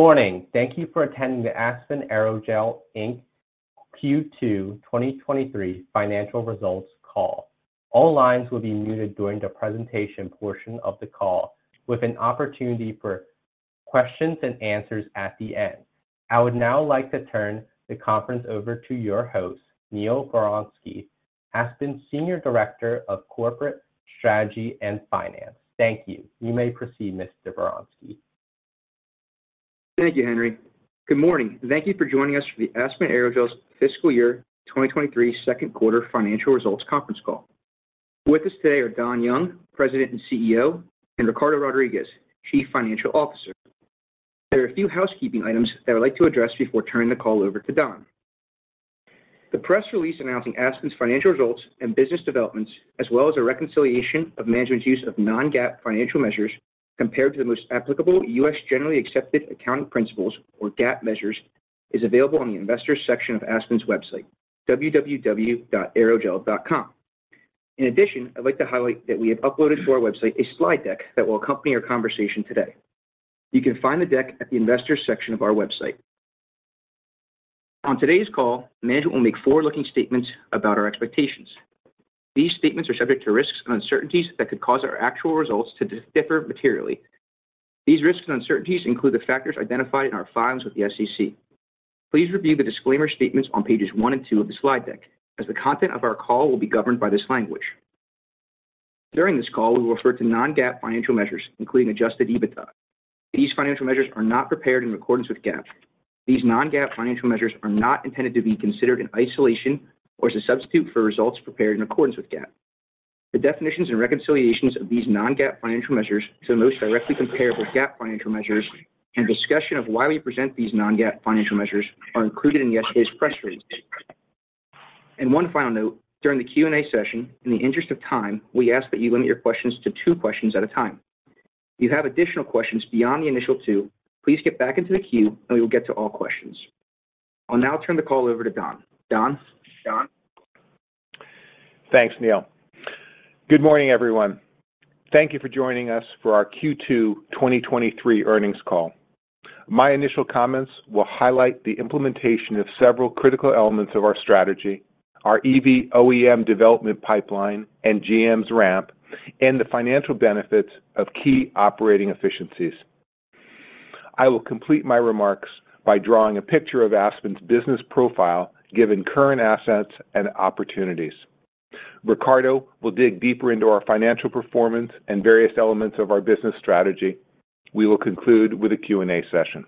Good morning. Thank you for attending the Aspen Aerogels, Inc. Q2 2023 financial results call. All lines will be muted during the presentation portion of the call, with an opportunity for questions and answers at the end. I would now like to turn the conference over to your host, Neal Baranosky, Aspen's Senior Director of Corporate Strategy and Finance. Thank you. You may proceed, Mr. Baranosky. Thank you, Henry. Good morning, thank you for joining us for the Aspen Aerogels Fiscal Year 2023 second quarter financial results conference call. With us today are Don Young, President and CEO; and Ricardo Rodriguez, Chief Financial Officer. There are a few housekeeping items that I'd like to address before turning the call over to Don. The press release announcing Aspen's financial results and business developments, as well as a reconciliation of management's use of non-GAAP financial measures compared to the most applicable U.S. generally accepted accounting principles or GAAP measures, is available on the Investors section of Aspen's website, www.aerogel.com. In addition, I'd like to highlight that we have uploaded to our website a slide deck that will accompany our conversation today. You can find the deck at the Investors section of our website. On today's call, management will make forward-looking statements about our expectations. These statements are subject to risks and uncertainties that could cause our actual results to differ materially. These risks and uncertainties include the factors identified in our filings with the SEC. Please review the disclaimer statements on pages one and two of the slide deck, as the content of our call will be governed by this language. During this call, we will refer to non-GAAP financial measures, including Adjusted EBITDA. These financial measures are not prepared in accordance with GAAP. These non-GAAP financial measures are not intended to be considered in isolation or as a substitute for results prepared in accordance with GAAP. The definitions and reconciliations of these non-GAAP financial measures to the most directly comparable GAAP financial measures and discussion of why we present these non-GAAP financial measures are included in yesterday's press release. One final note, during the Q&A session, in the interest of time, we ask that you limit your questions to two questions at a time. If you have additional questions beyond the initial two, please get back into the queue and we will get to all questions. I'll now turn the call over to Don. Don? Don? Thanks, Neal Baranosky. Good morning, everyone. Thank you for joining us for our Q2 2023 earnings call. My initial comments will highlight the implementation of several critical elements of our strategy, our EV OEM development pipeline and GM's ramp, and the financial benefits of key operating efficiencies. I will complete my remarks by drawing a picture of Aspen Aerogels' business profile, given current assets and opportunities. Ricardo Rodriguez will dig deeper into our financial performance and various elements of our business strategy. We will conclude with a Q&A session.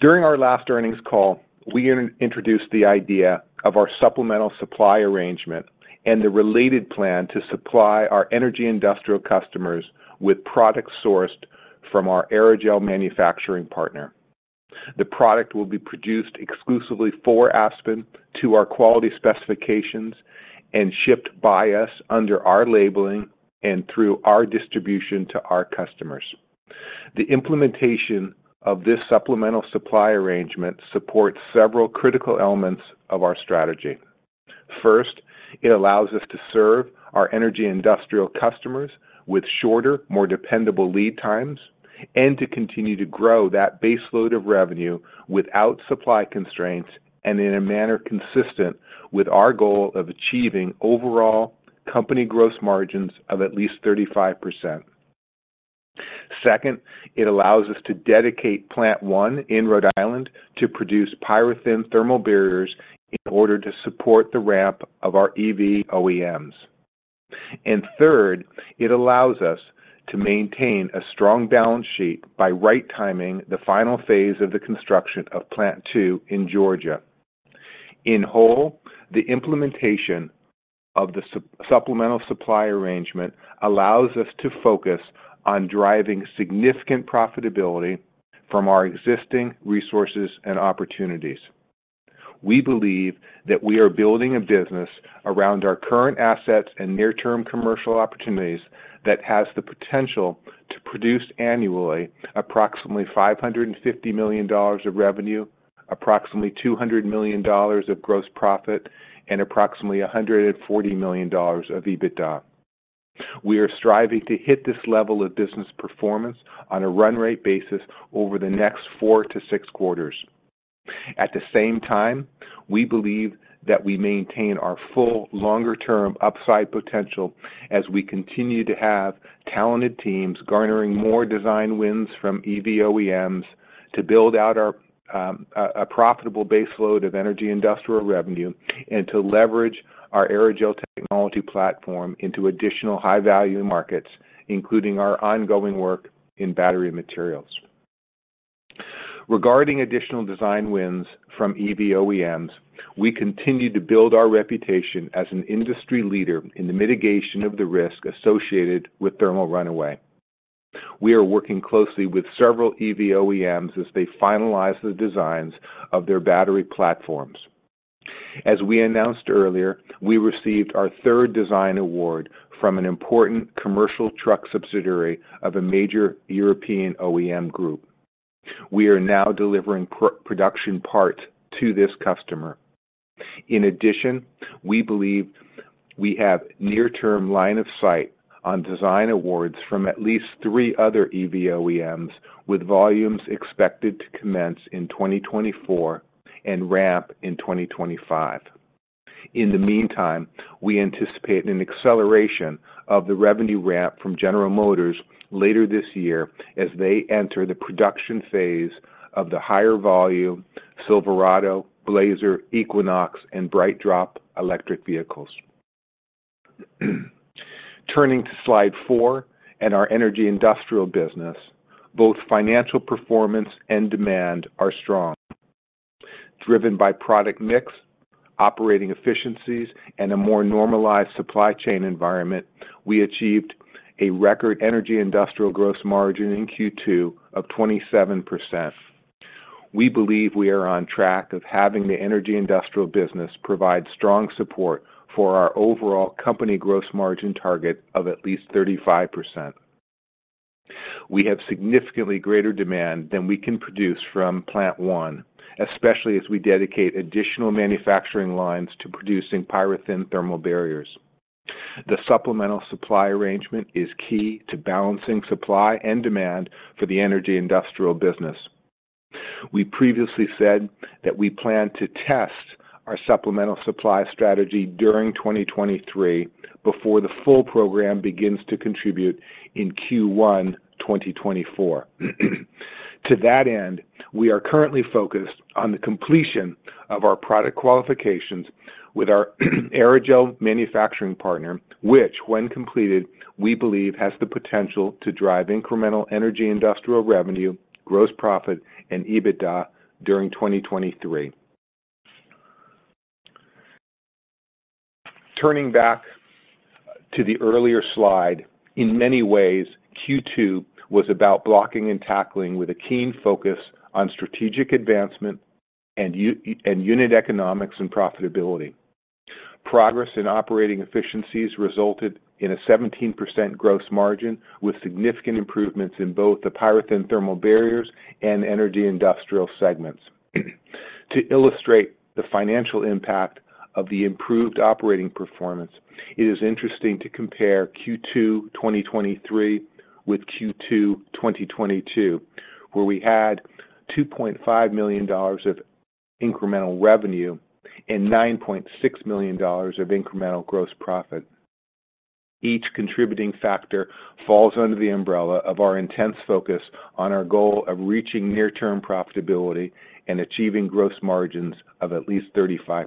During our last earnings call, we introduced the idea of our supplemental supply arrangement and the related plan to supply our energy industrial customers with products sourced from our aerogel manufacturing partner. The product will be produced exclusively for Aspen Aerogels to our quality specifications and shipped by us under our labeling and through our distribution to our customers. The implementation of this supplemental supply arrangement supports several critical elements of our strategy. First, it allows us to serve our energy industrial customers with shorter, more dependable lead times and to continue to grow that baseload of revenue without supply constraints and in a manner consistent with our goal of achieving overall company gross margins of at least 35%. Second, it allows us to dedicate Plant One in Rhode Island to produce PyroThin thermal barriers in order to support the ramp of our EV OEMs. Third, it allows us to maintain a strong balance sheet by right-timing the final phase of the construction of Plant Two in Georgia. In whole, the implementation of the supplemental supply arrangement allows us to focus on driving significant profitability from our existing resources and opportunities. We believe that we are building a business around our current assets and near-term commercial opportunities that has the potential to produce annually approximately $550 million of revenue, approximately $200 million of gross profit, and approximately $140 million of EBITDA. We are striving to hit this level of business performance on a run rate basis over the next four to six quarters. At the same time, we believe that we maintain our full longer-term upside potential as we continue to have talented teams garnering more design wins from EV OEMs to build out our profitable baseload of energy industrial revenue and to leverage our aerogel technology platform into additional high-value markets, including our ongoing work in battery materials. Regarding additional design wins from EV OEMs, we continue to build our reputation as an industry leader in the mitigation of the risk associated with thermal runaway. We are working closely with several EV OEMs as they finalize the designs of their battery platforms. As we announced earlier, we received our third design award from an important commercial truck subsidiary of a major European OEM group. We are now delivering production parts to this customer. In addition, we believe we have near-term line of sight on design awards from at least three other EV OEMs, with volumes expected to commence in 2024 and ramp in 2025. In the meantime, we anticipate an acceleration of the revenue ramp from General Motors later this year as they enter the production phase of the higher volume Silverado, Blazer, Equinox, and BrightDrop electric vehicles. Turning to slide four and our energy industrial business, both financial performance and demand are strong. Driven by product mix, operating efficiencies, and a more normalized supply chain environment, we achieved a record energy industrial gross margin in Q2 of 27%. We believe we are on track of having the energy industrial business provide strong support for our overall company gross margin target of at least 35%. We have significantly greater demand than we can produce from Plant One, especially as we dedicate additional manufacturing lines to producing PyroThin thermal barriers. The supplemental supply arrangement is key to balancing supply and demand for the energy industrial business. We previously said that we plan to test our supplemental supply strategy during 2023, before the full program begins to contribute in Q1, 2024. To that end, we are currently focused on the completion of our product qualifications with our aerogel manufacturing partner, which, when completed, we believe has the potential to drive incremental energy, industrial revenue, gross profit, and EBITDA during 2023. Turning back to the earlier slide, in many ways, Q2 was about blocking and tackling with a keen focus on strategic advancement and unit economics and profitability. Progress in operating efficiencies resulted in a 17% gross margin, with significant improvements in both the PyroThin thermal barriers and energy industrial segments. To illustrate the financial impact of the improved operating performance, it is interesting to compare Q2 2023 with Q2 2022, where we had $2.5 million of incremental revenue and $9.6 million of incremental gross profit. Each contributing factor falls under the umbrella of our intense focus on our goal of reaching near-term profitability and achieving gross margins of at least 35%.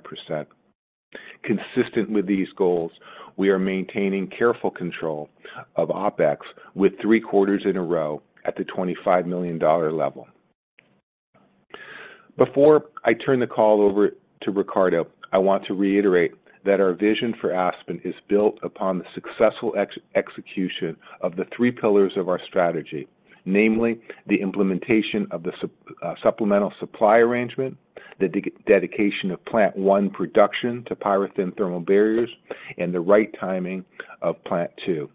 Consistent with these goals, we are maintaining careful control of OpEx with three quarters in a row at the $25 million level. Before I turn the call over to Ricardo, I want to reiterate that our vision for Aspen is built upon the successful execution of the three pillars of our strategy, namely, the implementation of the supplemental supply arrangement, the dedication of Plant One production to PyroThin thermal barriers, and the right timing of Plant Two.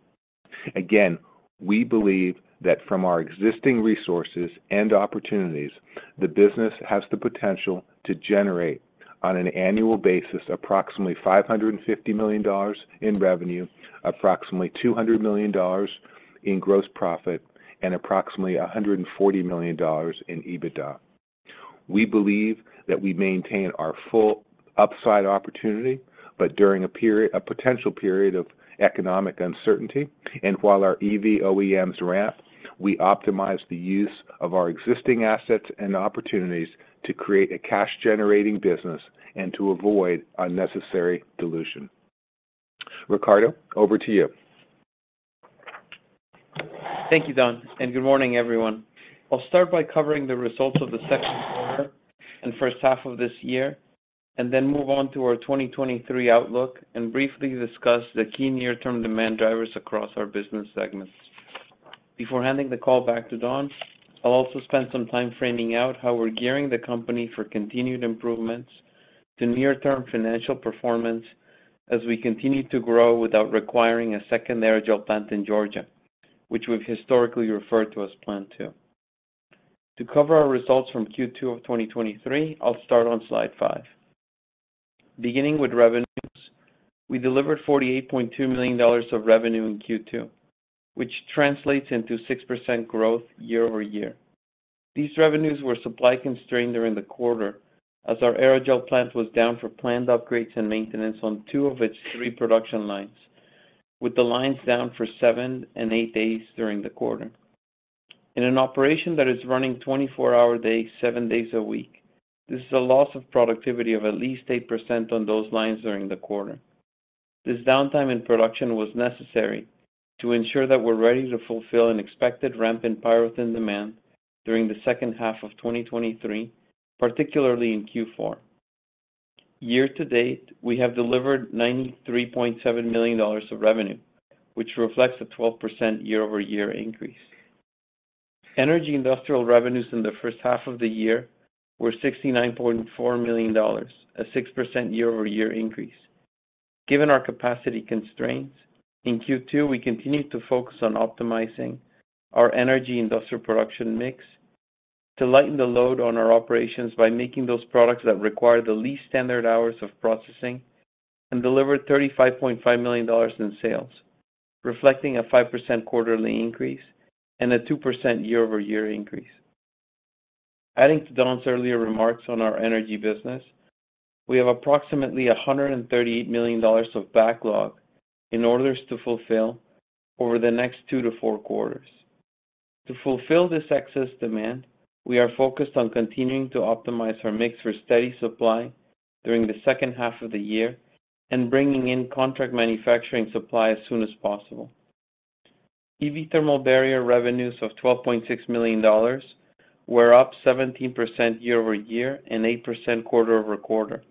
Again, we believe that from our existing resources and opportunities, the business has the potential to generate, on an annual basis, approximately $550 million in revenue, approximately $200 million in gross profit, and approximately $140 million in EBITDA. We believe that we maintain our full upside opportunity, but during a period, a potential period of economic uncertainty, and while our EV OEMs ramp, we optimize the use of our existing assets and opportunities to create a cash-generating business and to avoid unnecessary dilution. Ricardo, over to you. Thank you, Don. Good morning, everyone. I'll start by covering the results of the second quarter and first half of this year, and then move on to our 2023 outlook and briefly discuss the key near-term demand drivers across our business segments. Before handing the call back to Don, I'll also spend some time framing out how we're gearing the company for continued improvements to near-term financial performance as we continue to grow without requiring a second aerogel plant in Georgia, which we've historically referred to as Plant Two. To cover our results from Q2 of 2023, I'll start on slide five. Beginning with revenues, we delivered $48.2 million of revenue in Q2, which translates into 6% growth year-over-year. These revenues were supply constrained during the quarter as our aerogel plant was down for planned upgrades and maintenance on two of its three production lines, with the lines down for seven and eight days during the quarter. In an operation that is running 24-hour days, seven days a week, this is a loss of productivity of at least 8% on those lines during the quarter. This downtime in production was necessary to ensure that we're ready to fulfill an expected ramp in PyroThin demand during the second half of 2023, particularly in Q4. Year to date, we have delivered $93.7 million of revenue, which reflects a 12% year-over-year increase. Energy industrial revenues in the first half of the year were $69.4 million, a 6% year-over-year increase. Given our capacity constraints, in Q2, we continued to focus on optimizing our energy industrial production mix to lighten the load on our operations by making those products that require the least standard hours of processing and deliver $35.5 million in sales, reflecting a 5% quarterly increase and a 2% year-over-year increase. Adding to Don's earlier remarks on our energy business, we have approximately $138 million of backlog in orders to fulfill over the next two to four quarters. To fulfill this excess demand, we are focused on continuing to optimize our mix for steady supply during the second half of the year and bringing in contract manufacturing supply as soon as possible. EV thermal barrier revenues of $12.6 million were up 17% year-over-year and 8% quarter-over-quarter,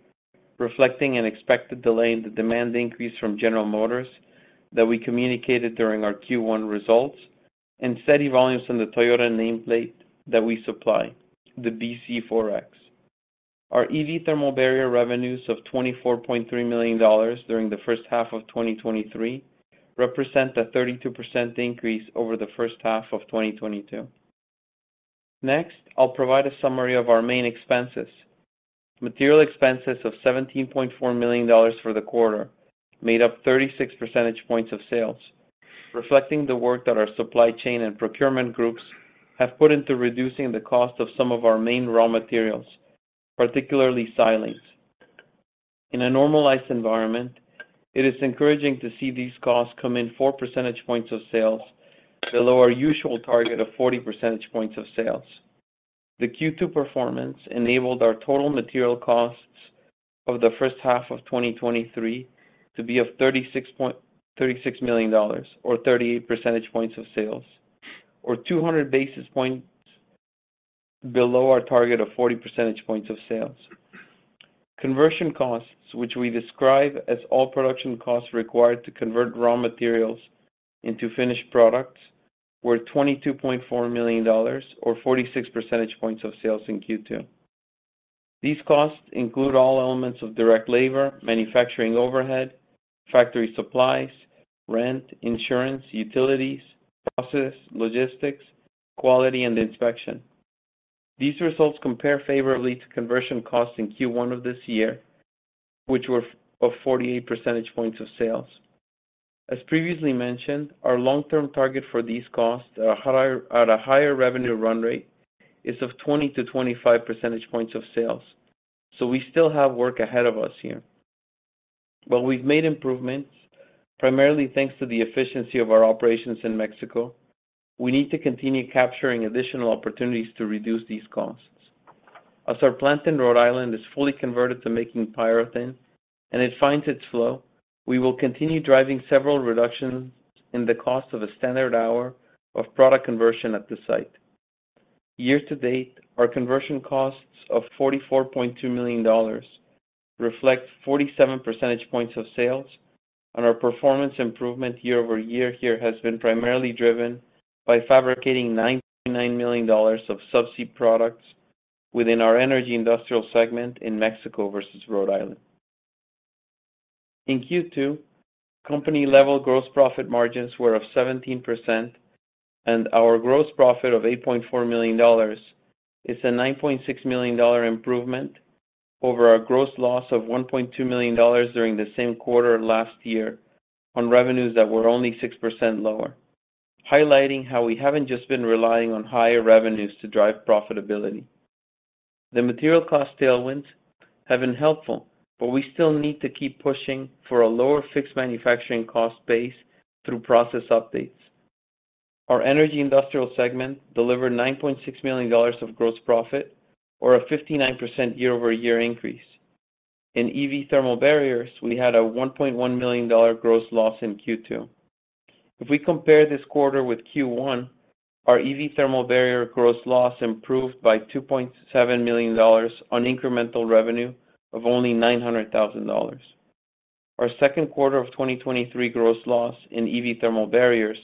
reflecting an expected delay in the demand increase from General Motors that we communicated during our Q1 results, and steady volumes from the Toyota nameplate that we supply, the bZ4X. Our EV thermal barrier revenues of $24.3 million during the first half of 2023 represent a 32% increase over the first half of 2022. Next, I'll provide a summary of our main expenses. Material expenses of $17.4 million for the quarter made up 36 percentage points of sales, reflecting the work that our supply chain and procurement groups have put into reducing the cost of some of our main raw materials, particularly silanes. In a normalized environment, it is encouraging to see these costs come in 4 percentage points of sales below our usual target of 40 percentage points of sales. The Q2 performance enabled our total material costs of the first half of 2023 to be of $36 million or 38 percentage points of sales, or 200 basis points below our target of 40 percentage points of sales. Conversion costs, which we describe as all production costs required to convert raw materials into finished products, were $22.4 million, or 46 percentage points of sales in Q2. These costs include all elements of direct labor, manufacturing overhead, factory supplies, rent, insurance, utilities, process, logistics, quality, and inspection. These results compare favorably to conversion costs in Q1 of this year, which were of 48 percentage points of sales. As previously mentioned, our long-term target for these costs at a higher, at a higher revenue run rate is of 20-25 percentage points of sales, so we still have work ahead of us here. We've made improvements, primarily thanks to the efficiency of our operations in Mexico. We need to continue capturing additional opportunities to reduce these costs. As our plant in Rhode Island is fully converted to making PyroThin, and it finds its flow, we will continue driving several reductions in the cost of a standard hour of product conversion at the site. Year to date, our conversion costs of $44.2 million reflect 47 percentage points of sales, and our performance improvement year-over-year here has been primarily driven by fabricating $9.9 million of subsea products within our energy industrial segment in Mexico versus Rhode Island. In Q2, company-level gross profit margins were of 17%, and our gross profit of $8.4 million is a $9.6 million improvement over our gross loss of $1.2 million during the same quarter last year on revenues that were only 6% lower, highlighting how we haven't just been relying on higher revenues to drive profitability. The material cost tailwinds have been helpful, but we still need to keep pushing for a lower fixed manufacturing cost base through process updates. Our energy industrial segment delivered $9.6 million of gross profit or a 59% year-over-year increase. In EV thermal barriers, we had a $1.1 million gross loss in Q2. If we compare this quarter with Q1, our EV thermal barrier gross loss improved by $2.7 million on incremental revenue of only $900,000. Our second quarter of 2023 gross loss in EV thermal barriers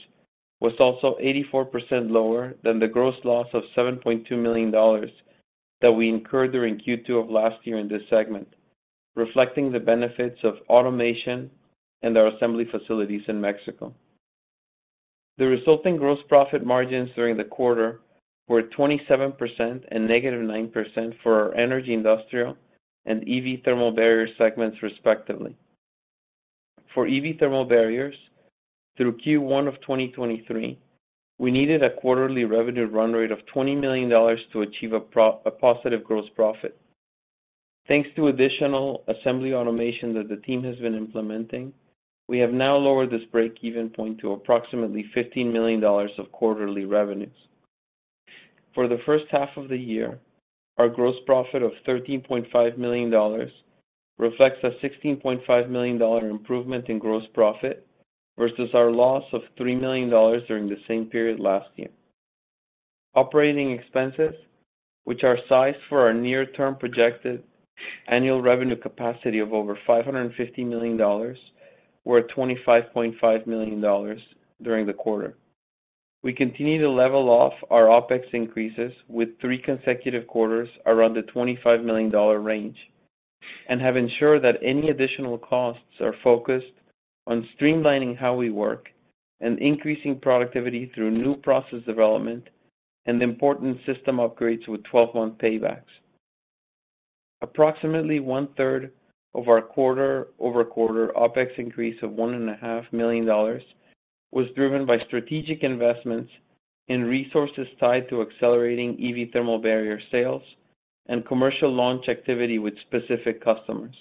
was also 84% lower than the gross loss of $7.2 million that we incurred during Q2 of last year in this segment, reflecting the benefits of automation and our assembly facilities in Mexico. The resulting gross profit margins during the quarter were 27% and -9% for our energy, industrial, and EV thermal barrier segments, respectively. EV thermal barriers, through Q1 of 2023, we needed a quarterly revenue run rate of $20 million to achieve a positive gross profit. Thanks to additional assembly automation that the team has been implementing, we have now lowered this break-even point to approximately $15 million of quarterly revenues. For the first half of the year, our gross profit of $13.5 million reflects a $16.5 million improvement in gross profit versus our loss of $3 million during the same period last year. Operating expenses, which are sized for our near-term projected annual revenue capacity of over $550 million, were $25.5 million during the quarter. We continue to level off our OpEx increases with three consecutive quarters around the $25 million range, and have ensured that any additional costs are focused on streamlining how we work and increasing productivity through new process development and important system upgrades with 12-month paybacks. Approximately one-third of our quarter-over-quarter OpEx increase of $1.5 million was driven by strategic investments in resources tied to accelerating EV thermal barrier sales and commercial launch activity with specific customers.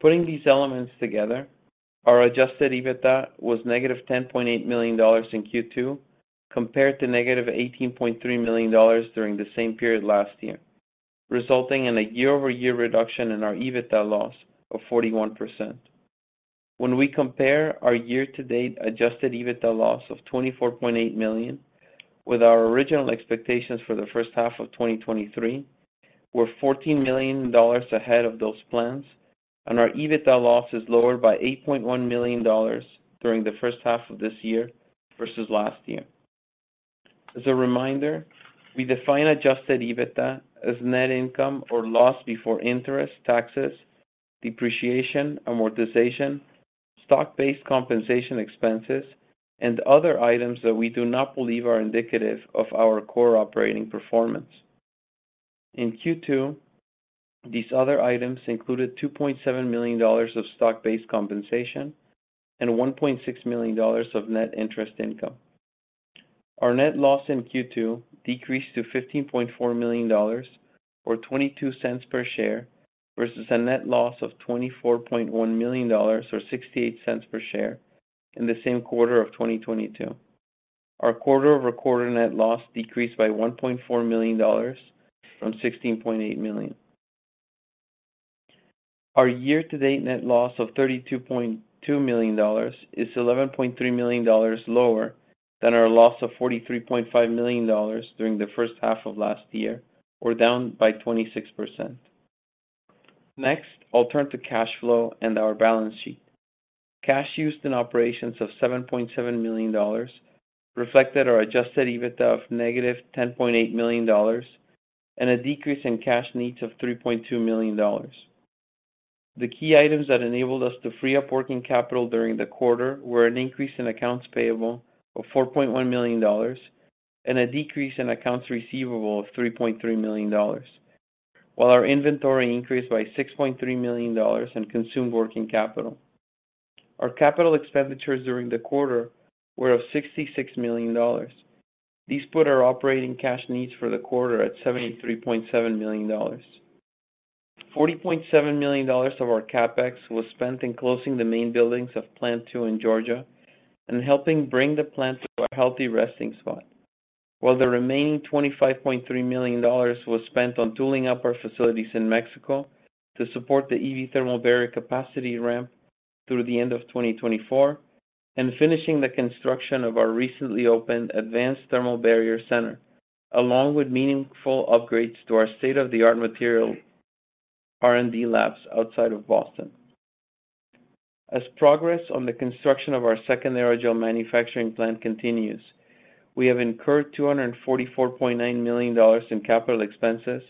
Putting these elements together, our Adjusted EBITDA was negative $10.8 million in Q2, compared to negative $18.3 million during the same period last year, resulting in a year-over-year reduction in our EBITDA loss of 41%. When we compare our year-to-date Adjusted EBITDA loss of $24.8 million with our original expectations for the first half of 2023, we're $14 million ahead of those plans, and our EBITDA loss is lower by $8.1 million during the first half of this year versus last year. As a reminder, we define Adjusted EBITDA as net income or loss before interest, taxes, depreciation, amortization, stock-based compensation expenses, and other items that we do not believe are indicative of our core operating performance. In Q2, these other items included $2.7 million of stock-based compensation and $1.6 million of net interest income. Our net loss in Q2 decreased to $15.4 million, or $0.22 per share, versus a net loss of $24.1 million, or $0.68 per share, in the same quarter of 2022. Our quarter-over-quarter net loss decreased by $1.4 million from $16.8 million. Our year-to-date net loss of $32.2 million is $11.3 million lower than our loss of $43.5 million during the first half of last year, or down by 26%. Next, I'll turn to cash flow and our balance sheet. Cash used in operations of $7.7 million reflected our Adjusted EBITDA of negative $10.8 million, and a decrease in cash needs of $3.2 million. The key items that enabled us to free up working capital during the quarter were an increase in accounts payable of $4.1 million and a decrease in accounts receivable of $3.3 million, while our inventory increased by $6.3 million and consumed working capital. Our capital expenditures during the quarter were of $66 million. These put our operating cash needs for the quarter at $73.7 million. $40.7 million of our CapEx was spent in closing the main buildings of Plant Two in Georgia and helping bring the plant to a healthy resting spot. While the remaining $25.3 million was spent on tooling up our facilities in Mexico to support the EV thermal barrier capacity ramp through the end of 2024, and finishing the construction of our recently opened Advanced Thermal Barrier Center, along with meaningful upgrades to our state-of-the-art material R&D labs outside of Boston. As progress on the construction of our second aerogel manufacturing plant continues, we have incurred $244.9 million in capital expenses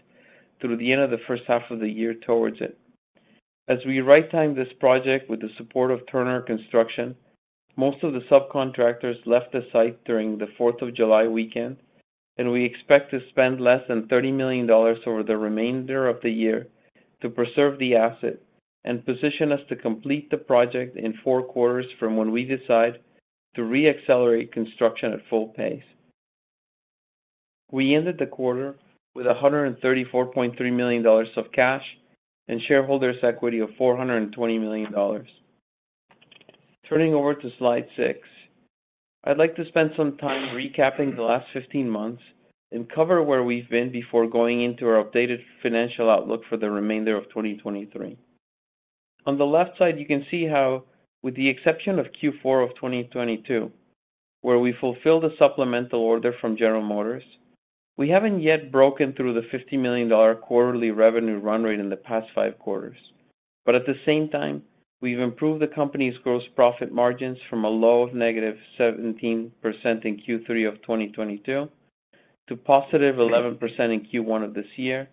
through the end of the first half of the year towards it. As we right-time this project with the support of Turner Construction, most of the subcontractors left the site during the Fourth of July weekend, and we expect to spend less than $30 million over the remainder of the year to preserve the asset and position us to complete the project in four quarters from when we decide to re-accelerate construction at full pace. We ended the quarter with $134.3 million of cash and shareholders' equity of $420 million. Turning over to slide six, I'd like to spend some time recapping the last 15 months and cover where we've been before going into our updated financial outlook for the remainder of 2023. On the left side, you can see how, with the exception of Q4 of 2022, where we fulfilled a supplemental order from General Motors, we haven't yet broken through the $50 million quarterly revenue run rate in the past five quarters. At the same time, we've improved the company's gross profit margins from a low of -17% in Q3 of 2022 to +11% in Q1 of this year,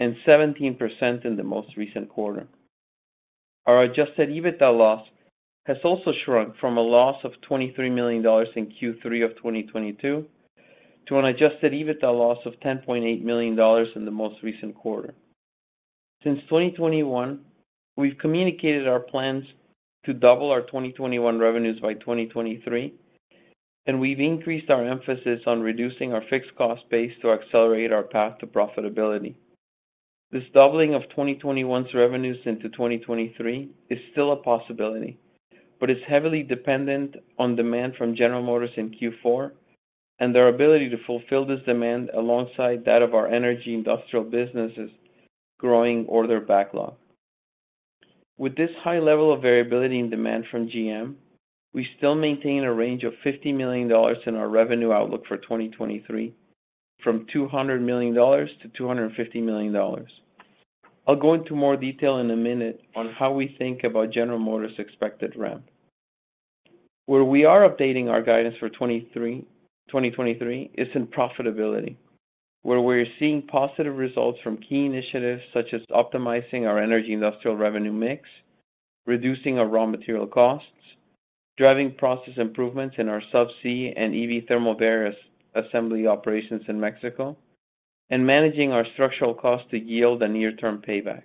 and 17% in the most recent quarter. Our Adjusted EBITDA loss has also shrunk from a loss of $23 million in Q3 of 2022 to an Adjusted EBITDA loss of $10.8 million in the most recent quarter. Since 2021, we've communicated our plans to double our 2021 revenues by 2023, and we've increased our emphasis on reducing our fixed cost base to accelerate our path to profitability. This doubling of 2021's revenues into 2023 is still a possibility, but it's heavily dependent on demand from General Motors in Q4 and their ability to fulfill this demand alongside that of our energy industrial businesses' growing order backlog. With this high level of variability in demand from GM, we still maintain a range of $50 million in our revenue outlook for 2023, from $200 million-$250 million. I'll go into more detail in a minute on how we think about General Motors' expected ramp. Where we are updating our guidance for 2023 is in profitability, where we're seeing positive results from key initiatives, such as optimizing our energy industrial revenue mix, reducing our raw material costs, driving process improvements in our subsea and EV thermal barriers assembly operations in Mexico, and managing our structural costs to yield a near-term payback.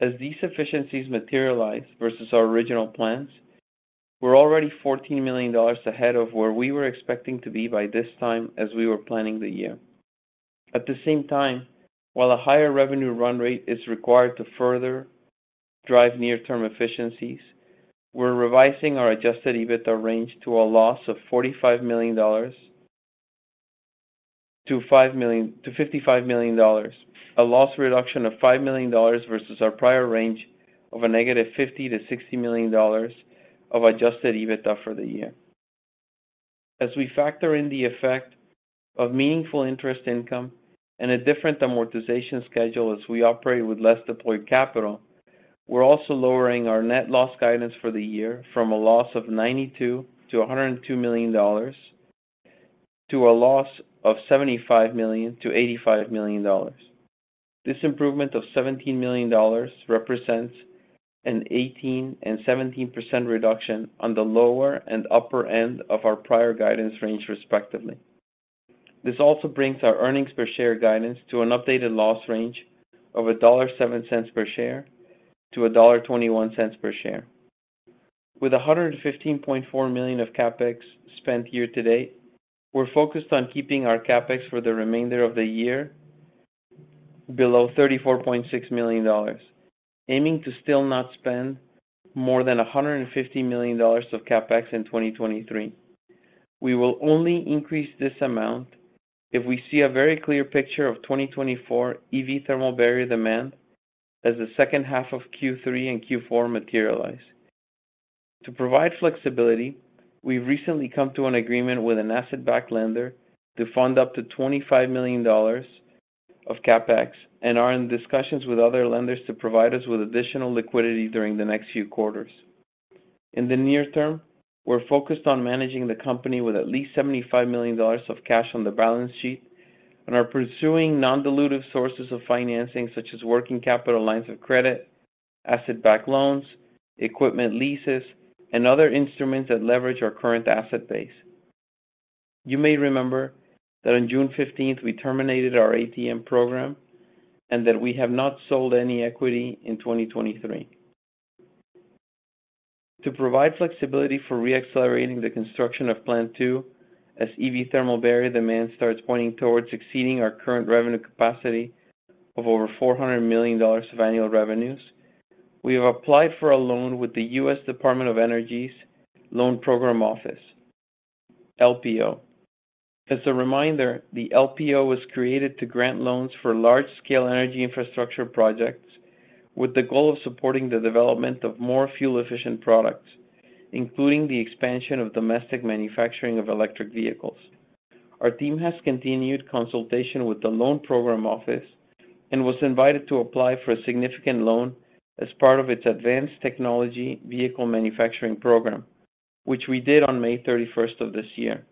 As these efficiencies materialize versus our original plans, we're already $14 million ahead of where we were expecting to be by this time as we were planning the year. At the same time, while a higher revenue run rate is required to further drive near-term efficiencies, we're revising our Adjusted EBITDA range to a loss of $45 million-$55 million, a loss reduction of $5 million versus our prior range of a negative $50 million-$60 million of Adjusted EBITDA for the year. As we factor in the effect of meaningful interest income and a different amortization schedule as we operate with less deployed capital, we're also lowering our net loss guidance for the year from a loss of $92 million-$102 million, to a loss of $75 million-$85 million. This improvement of $17 million represents an 18% and 17% reduction on the lower and upper end of our prior guidance range, respectively. This also brings our earnings per share guidance to an updated loss range of $1.07-$1.21 per share. With $115.4 million of CapEx spent year to date, we're focused on keeping our CapEx for the remainder of the year below $34.6 million, aiming to still not spend more than $150 million of CapEx in 2023. We will only increase this amount if we see a very clear picture of 2024 EV thermal barrier demand as the second half of Q3 and Q4 materialize. To provide flexibility, we've recently come to an agreement with an asset-backed lender to fund up to $25 million of CapEx and are in discussions with other lenders to provide us with additional liquidity during the next few quarters. In the near term, we're focused on managing the company with at least $75 million of cash on the balance sheet and are pursuing non-dilutive sources of financing, such as working capital lines of credit, asset-backed loans, equipment leases, and other instruments that leverage our current asset base. You may remember that on June 15th, we terminated our ATM program and that we have not sold any equity in 2023. To provide flexibility for re-accelerating the construction of Plant Two, as EV thermal barrier demand starts pointing towards exceeding our current revenue capacity of over $400 million of annual revenues, we have applied for a loan with the U.S. Department of Energy's Loan Programs Office, LPO. As a reminder, the LPO was created to grant loans for large-scale energy infrastructure projects, with the goal of supporting the development of more fuel-efficient products, including the expansion of domestic manufacturing of electric vehicles. Our team has continued consultation with the Loan Programs Office and was invited to apply for a significant loan as part of its Advanced Technology Vehicles Manufacturing program, which we did on May 31st of this year.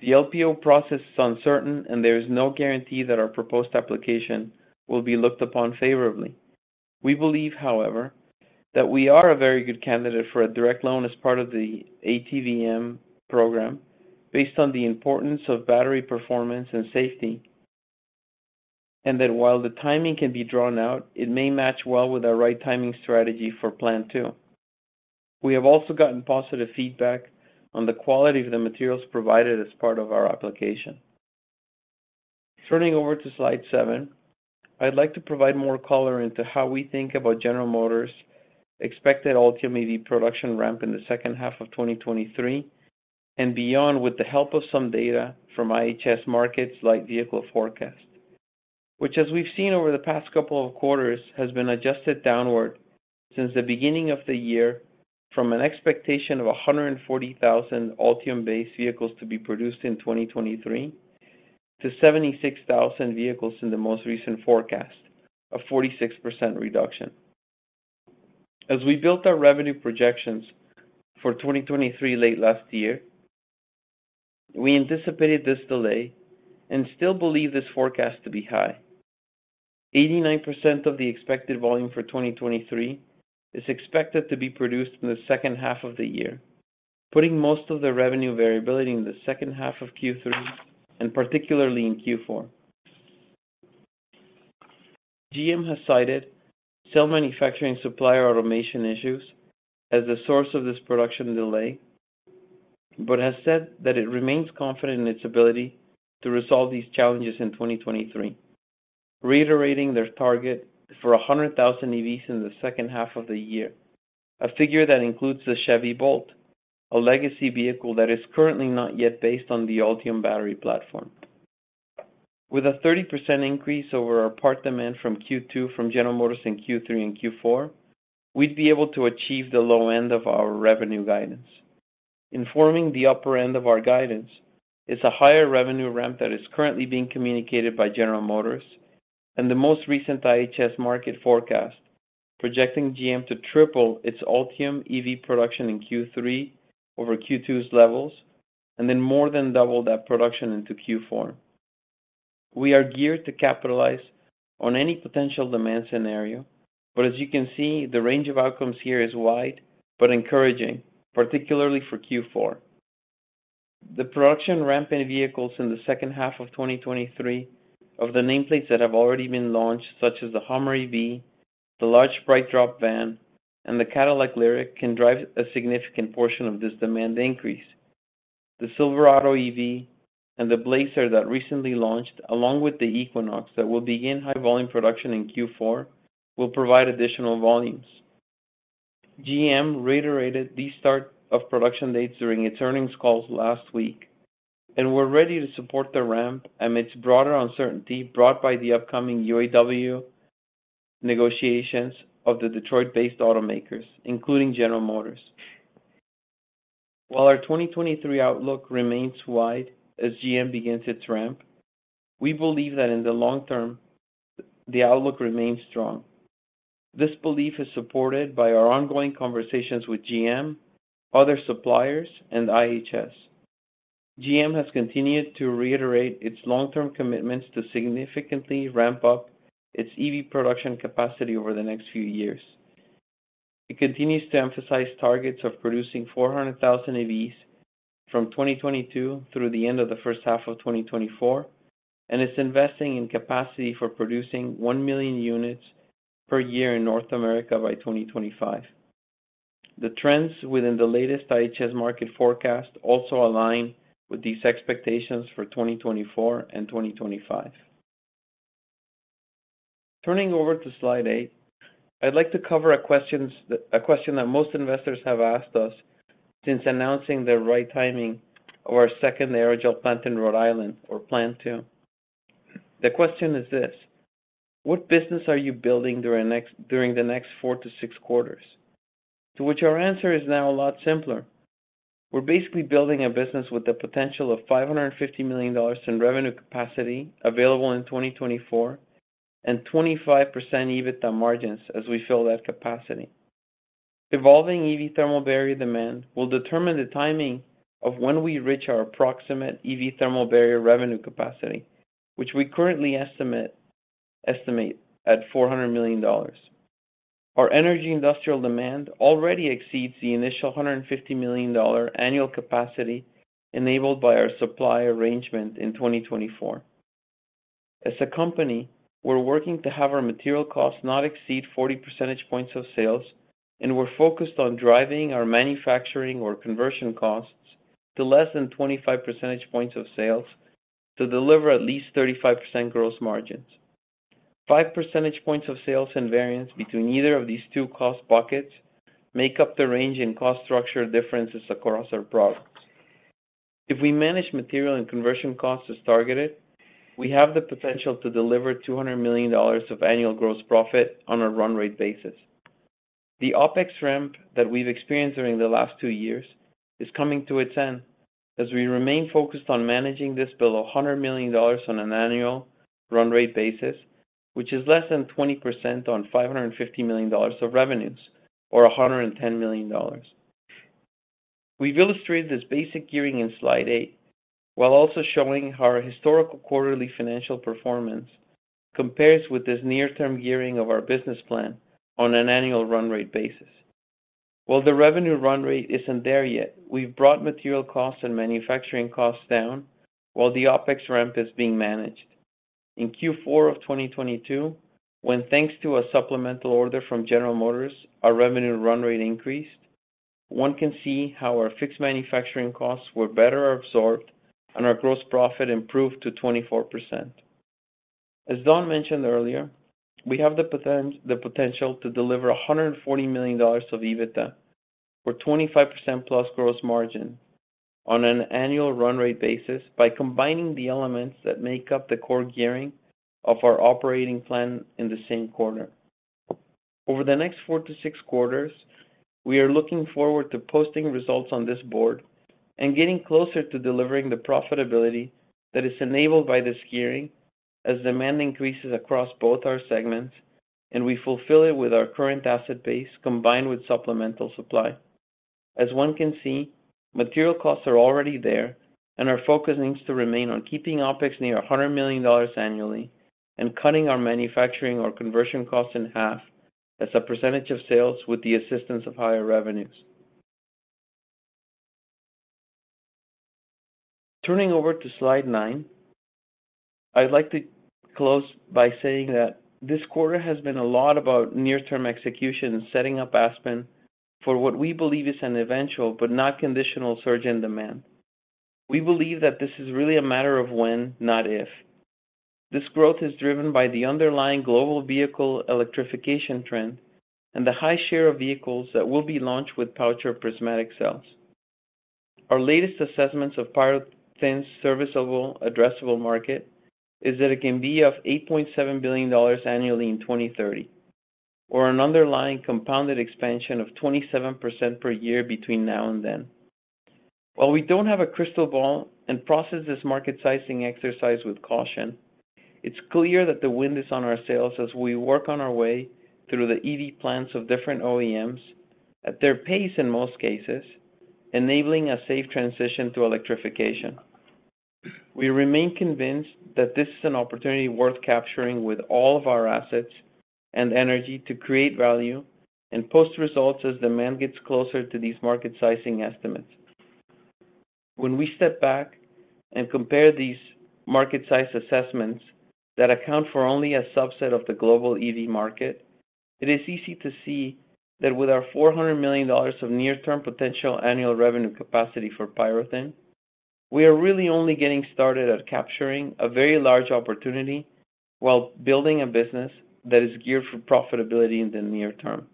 The LPO process is uncertain, and there is no guarantee that our proposed application will be looked upon favorably. We believe, however, that we are a very good candidate for a direct loan as part of the ATVM program, based on the importance of battery performance and safety, and that while the timing can be drawn out, it may match well with our right timing strategy for Plant Two. We have also gotten positive feedback on the quality of the materials provided as part of our application. Turning over to slide seven, I'd like to provide more color into how we think about General Motors' expected Ultium EV production ramp in the second half of 2023 and beyond, with the help of some data from IHS Markit's light vehicle forecast, which, as we've seen over the past couple of quarters, has been adjusted downward since the beginning of the year from an expectation of 140,000 Ultium-based vehicles to be produced in 2023 to 76,000 vehicles in the most recent forecast, a 46% reduction. As we built our revenue projections for 2023 late last year, we anticipated this delay and still believe this forecast to be high. 89% of the expected volume for 2023 is expected to be produced in the second half of the year, putting most of the revenue variability in the second half of Q3 and particularly in Q4. GM has cited cell manufacturing, supplier automation issues as the source of this production delay, but has said that it remains confident in its ability to resolve these challenges in 2023, reiterating their target for 100,000 EVs in the second half of the year, a figure that includes the Chevy Bolt, a legacy vehicle that is currently not yet based on the Ultium battery platform. With a 30% increase over our part demand from Q2 from General Motors in Q3 and Q4, we'd be able to achieve the low end of our revenue guidance. Informing the upper end of our guidance is a higher revenue ramp that is currently being communicated by General Motors. The most recent IHS Markit forecast, projecting GM to triple its Ultium EV production in Q3 over Q2's levels, then more than double that production into Q4. We are geared to capitalize on any potential demand scenario, as you can see, the range of outcomes here is wide, but encouraging, particularly for Q4. The production ramp in vehicles in the second half of 2023 of the nameplates that have already been launched, such as the Hummer EV, the large BrightDrop van, and the Cadillac Lyriq, can drive a significant portion of this demand increase. The Silverado EV and the Blazer that recently launched, along with the Equinox that will begin high-volume production in Q4, will provide additional volumes. GM reiterated the start of production dates during its earnings calls last week, we're ready to support the ramp amidst broader uncertainty brought by the upcoming UAW negotiations of the Detroit-based automakers, including General Motors. While our 2023 outlook remains wide as GM begins its ramp, we believe that in the long term, the outlook remains strong. This belief is supported by our ongoing conversations with GM, other suppliers, and IHS. GM has continued to reiterate its long-term commitments to significantly ramp up its EV production capacity over the next few years. It continues to emphasize targets of producing 400,000 EVs from 2022 through the end of the first half of 2024, it's investing in capacity for producing 1 million units per year in North America by 2025. The trends within the latest IHS Markit forecast also align with these expectations for 2024 and 2025. Turning over to slide eight, I'd like to cover a question that most investors have asked us since announcing the right timing of our second aerogel plant in Rhode Island, or Plant Two. The question is this: What business are you building during next, during the next four-six quarters? To which our answer is now a lot simpler. We're basically building a business with the potential of $550 million in revenue capacity available in 2024 and 25% EBITDA margins as we fill that capacity. Evolving EV thermal barrier demand will determine the timing of when we reach our approximate EV thermal barrier revenue capacity, which we currently estimate at $400 million. Our energy industrial demand already exceeds the initial $150 million annual capacity enabled by our supply arrangement in 2024. As a company, we're working to have our material costs not exceed 40 percentage points of sales, and we're focused on driving our manufacturing or conversion costs to less than 25 percentage points of sales to deliver at least 35% gross margins. 5 percentage points of sales and variance between either of these two cost buckets make up the range in cost structure differences across our products. If we manage material and conversion costs as targeted, we have the potential to deliver $200 million of annual gross profit on a run rate basis. The OpEx ramp that we've experienced during the last two years is coming to its end, as we remain focused on managing this below $100 million on an annual run rate basis, which is less than 20% on $550 million of revenues, or $110 million. We've illustrated this basic gearing in slide eight, while also showing how our historical quarterly financial performance compares with this near-term gearing of our business plan on an annual run rate basis. While the revenue run rate isn't there yet, we've brought material costs and manufacturing costs down while the OpEx ramp is being managed. In Q4 of 2022, when thanks to a supplemental order from General Motors, our revenue run rate increased, one can see how our fixed manufacturing costs were better absorbed and our gross profit improved to 24%. As Don mentioned earlier, we have the potential to deliver $140 million of EBITDA or 25%+ gross margin on an annual run rate basis by combining the elements that make up the core gearing of our operating plan in the same quarter. Over the next four to six quarters, we are looking forward to posting results on this board and getting closer to delivering the profitability that is enabled by this gearing as demand increases across both our segments, and we fulfill it with our current asset base, combined with supplemental supply. As one can see, material costs are already there, our focus needs to remain on keeping OpEx near $100 million annually and cutting our manufacturing or conversion costs in half as a percentage of sales with the assistance of higher revenues. Turning over to slide nine, I'd like to close by saying that this quarter has been a lot about near-term execution and setting up Aspen for what we believe is an eventual, but not conditional, surge in demand. We believe that this is really a matter of when, not if. This growth is driven by the underlying global vehicle electrification trend and the high share of vehicles that will be launched with pouch or prismatic cells. Our latest assessments of PyroThin serviceable addressable market is that it can be of $8.7 billion annually in 2030, or an underlying compounded expansion of 27% per year between now and then. While we don't have a crystal ball and process this market sizing exercise with caution, it's clear that the wind is on our sails as we work on our way through the EV plans of different OEMs, at their pace in most cases, enabling a safe transition to electrification. We remain convinced that this is an opportunity worth capturing with all of our assets and energy to create value and post results as demand gets closer to these market sizing estimates. When we step back and compare these market size assessments that account for only a subset of the global EV market, it is easy to see that with our $400 million of near-term potential annual revenue capacity for PyroThin, we are really only getting started at capturing a very large opportunity while building a business that is geared for profitability in the near term.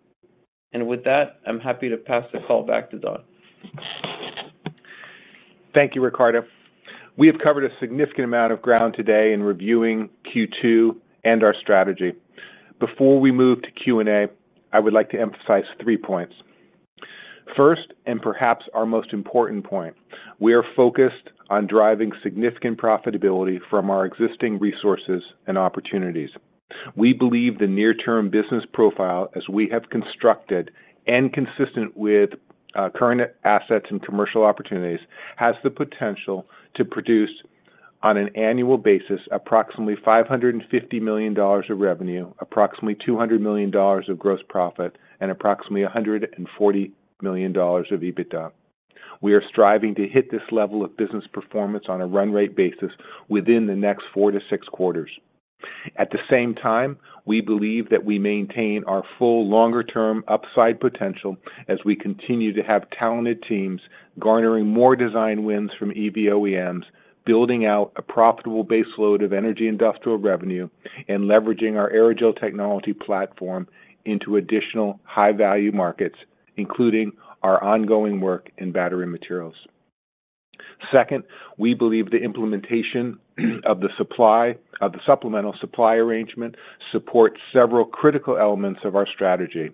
With that, I'm happy to pass the call back to Don. Thank you, Ricardo. We have covered a significant amount of ground today in reviewing Q2 and our strategy. Before we move to Q&A, I would like to emphasize three points. First, and perhaps our most important point, we are focused on driving significant profitability from our existing resources and opportunities. We believe the near-term business profile, as we have constructed and consistent with current assets and commercial opportunities, has the potential to produce, on an annual basis, approximately $550 million of revenue, approximately $200 million of gross profit, and approximately $140 million of EBITDA. We are striving to hit this level of business performance on a run rate basis within the next four-six quarters. At the same time, we believe that we maintain our full longer-term upside potential as we continue to have talented teams garnering more design wins from EV OEMs, building out a profitable base load of energy industrial revenue, and leveraging our aerogel technology platform into additional high-value markets, including our ongoing work in battery materials. Second, we believe the implementation of the supplemental supply arrangement supports several critical elements of our strategy.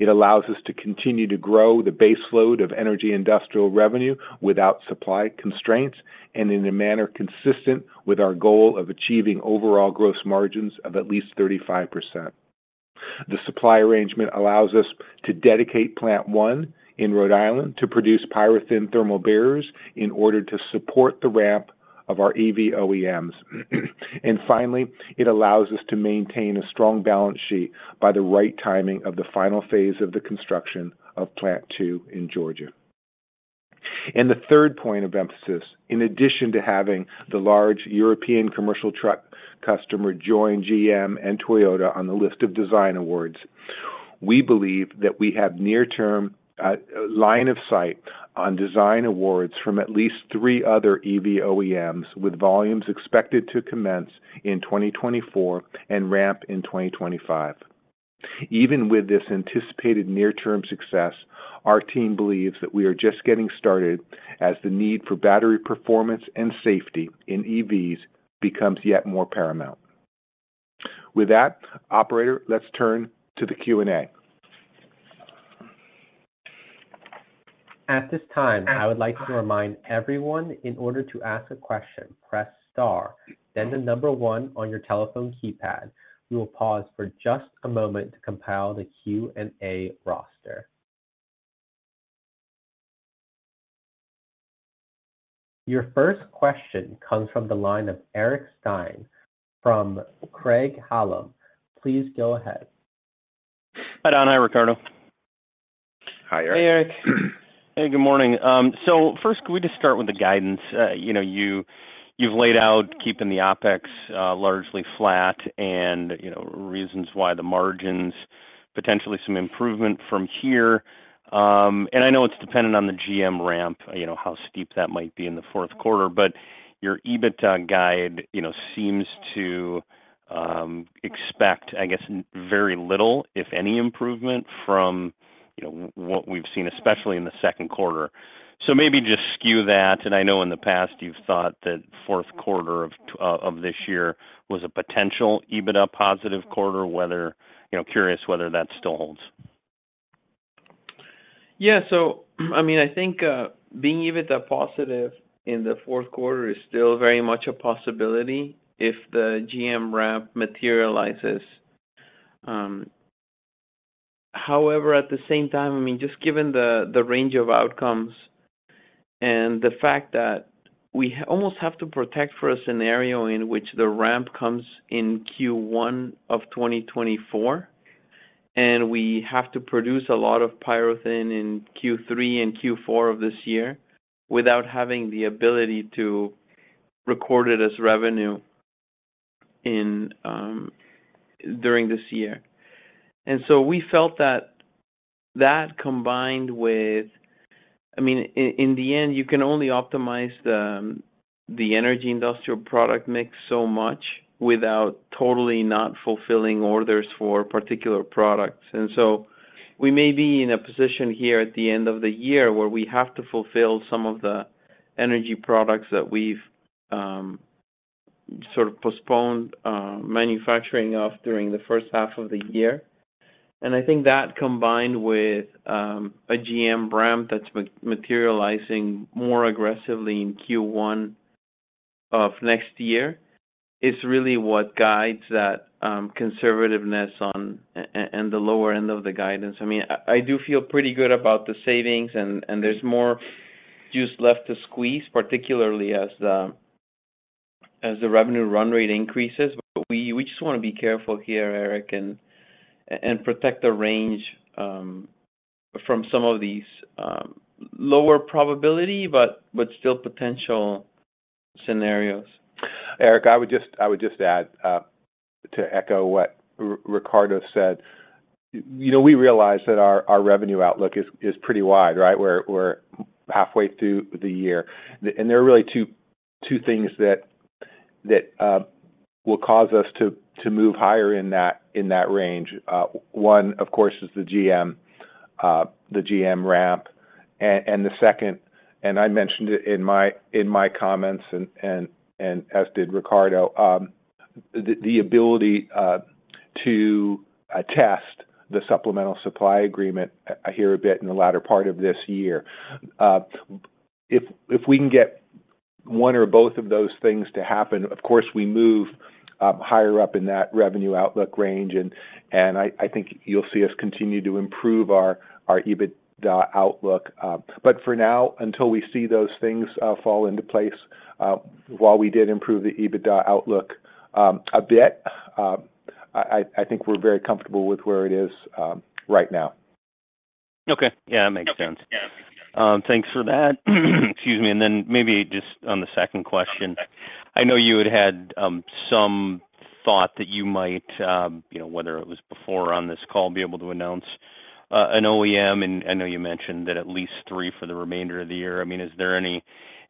It allows us to continue to grow the base load of energy industrial revenue without supply constraints and in a manner consistent with our goal of achieving overall gross margins of at least 35%. The supply arrangement allows us to dedicate Plant One in Rhode Island to produce PyroThin thermal barriers in order to support the ramp of our EV OEMs. Finally, it allows us to maintain a strong balance sheet by the right timing of the final phase of the construction of Plant Two in Georgia. The third point of emphasis, in addition to having the large European commercial truck customer join GM and Toyota on the list of design awards, we believe that we have near-term line of sight on design awards from at least three other EV OEMs, with volumes expected to commence in 2024 and ramp in 2025. Even with this anticipated near-term success, our team believes that we are just getting started as the need for battery performance and safety in EVs becomes yet more paramount. With that, operator, let's turn to the Q&A. At this time, I would like to remind everyone, in order to ask a question, press star, then the number one on your telephone keypad. We will pause for just a moment to compile the Q&A roster. Your first question comes from the line of Eric Stine from Craig-Hallum. Please go ahead. Hi, Don. Hi, Ricardo. Hi, Eric. Hey, Eric. Hey, good morning. First, could we just start with the guidance? You know, you, you've laid out keeping the OpEx largely flat and, you know, reasons why the margins, potentially some improvement from here. I know it's dependent on the GM ramp, you know, how steep that might be in the fourth quarter, but your EBITDA guide, you know, seems to expect, I guess, very little, if any, improvement from what we've seen, especially in the second quarter. Maybe just skew that. I know in the past you've thought that fourth quarter of this year was a potential EBITDA positive quarter, curious whether that still holds. I mean, I think, being EBITDA positive in the fourth quarter is still very much a possibility if the GM ramp materializes. However, at the same time, I mean, just given the range of outcomes and the fact that we almost have to protect for a scenario in which the ramp comes in Q1 of 2024, and we have to produce a lot of PyroThin in Q3 and Q4 of this year without having the ability to record it as revenue in during this year. We felt that that combined with - I mean, in the end, you can only optimize the energy industrial product mix so much without totally not fulfilling orders for particular products. We may be in a position here at the end of the year where we have to fulfill some of the energy products that we've sort of postponed manufacturing of during the first half of the year. I think that combined with a GM ramp that's materializing more aggressively in Q1 of next year, is really what guides that conservativeness on, and the lower end of the guidance. I mean, I, I do feel pretty good about the savings, and there's more juice left to squeeze, particularly as the revenue run rate increases. We just wanna be careful here, Eric, and protect the range from some of these lower probability, but still potential scenarios. Eric, I would just, I would just add, to echo what Ricardo said. You know, we realize that our, our revenue outlook is, is pretty wide, right? We're, we're halfway through the year. There are really two, two things that, that will cause us to, to move higher in that, in that range. One, of course, is the GM, the GM ramp. The second, I mentioned it in my, in my comments, and as did Ricardo, the, the ability to attest the supplemental supply agreement here a bit in the latter part of this year. If, if we can get one or both of those things to happen, of course, we move higher up in that revenue outlook range, and I, I think you'll see us continue to improve our, our EBITDA outlook. For now, until we see those things fall into place, while we did improve the EBITDA outlook, a bit, I think we're very comfortable with where it is right now. Okay. Yeah, that makes sense. Yeah. Thanks for that. Excuse me. Maybe just on the second question, I know you had had some thought that you might, you know, whether it was before or on this call, be able to announce an OEM, and I know you mentioned that at least three for the remainder of the year. I mean, is there any,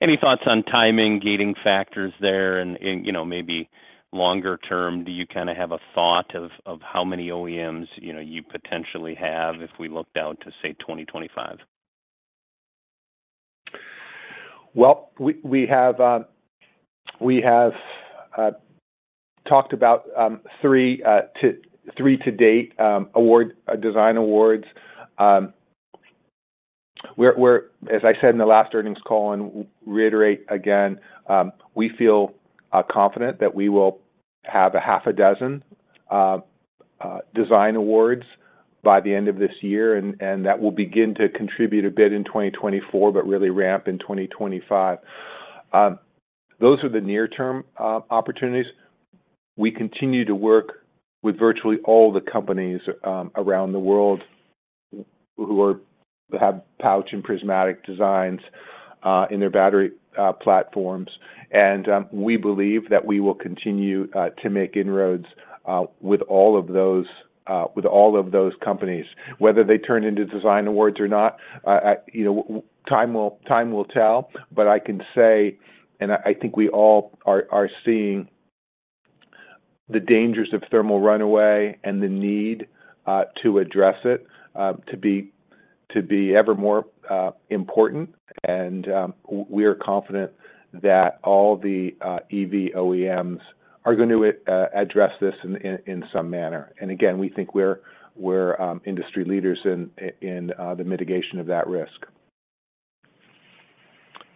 any thoughts on timing, gating factors there? And, you know, maybe longer term, do you kinda have a thought of how many OEMs, you know, you potentially have if we looked out to, say, 2025? Well, we, we have, we have talked about three to date design awards. We're, we're, as I said in the last earnings call, and reiterate again, we feel confident that we will have six design awards by the end of this year, and that will begin to contribute a bit in 2024, but really ramp in 2025. Those are the near-term opportunities. We continue to work with virtually all the companies around the world who are that have pouch and prismatic designs in their battery platforms. We believe that we will continue to make inroads with all of those with all of those companies. Whether they turn into design awards or not. You know, time will, time will tell, but I can say, and I, I think we all are seeing the dangers of thermal runaway and the need to address it to be ever more important. We are confident that all the EV OEMs are going to address this in some manner. Again, we think we're industry leaders in the mitigation of that risk.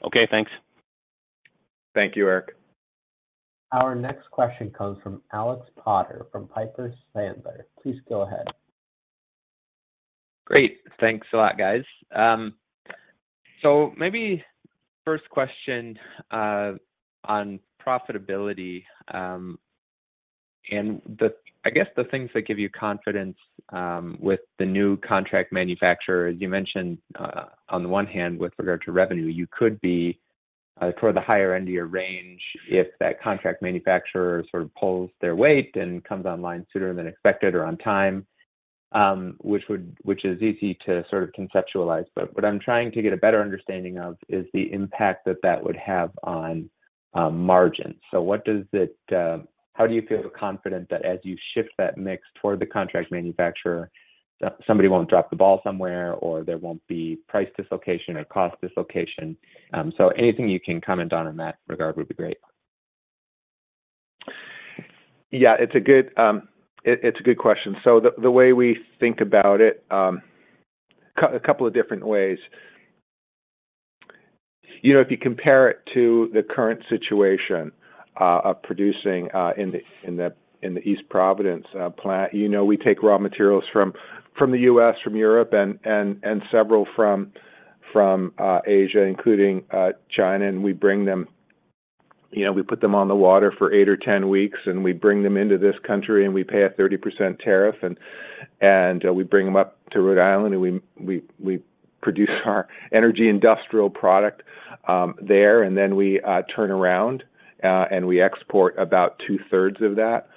Okay, thanks. Thank you, Eric. Our next question comes from Alex Potter, from Piper Sandler. Please go ahead. Great. Thanks a lot, guys. Maybe first question on profitability, and I guess the things that give you confidence with the new contract manufacturer. You mentioned on the one hand, with regard to revenue, you could be toward the higher end of your range if that contract manufacturer sort of pulls their weight and comes online sooner than expected or on time, which is easy to sort of conceptualize. What I'm trying to get a better understanding of is the impact that that would have on margin. What does it, how do you feel confident that as you shift that mix toward the contract manufacturer, that somebody won't drop the ball somewhere, or there won't be price dislocation or cost dislocation? Anything you can comment on in that regard would be great. Yeah, it's a good, it's a good question. The way we think about it, a couple of different ways. You know, if you compare it to the current situation of producing in the East Providence plant, you know, we take raw materials from the U.S., from Europe, and several from Asia, including China, and we bring them. You know, we put them on the water for eight or 10 weeks, and we bring them into this country, and we pay a 30% tariff, and we bring them up to Rhode Island, and we produce our energy industrial product there, and then we turn around and we export about two-thirds of that,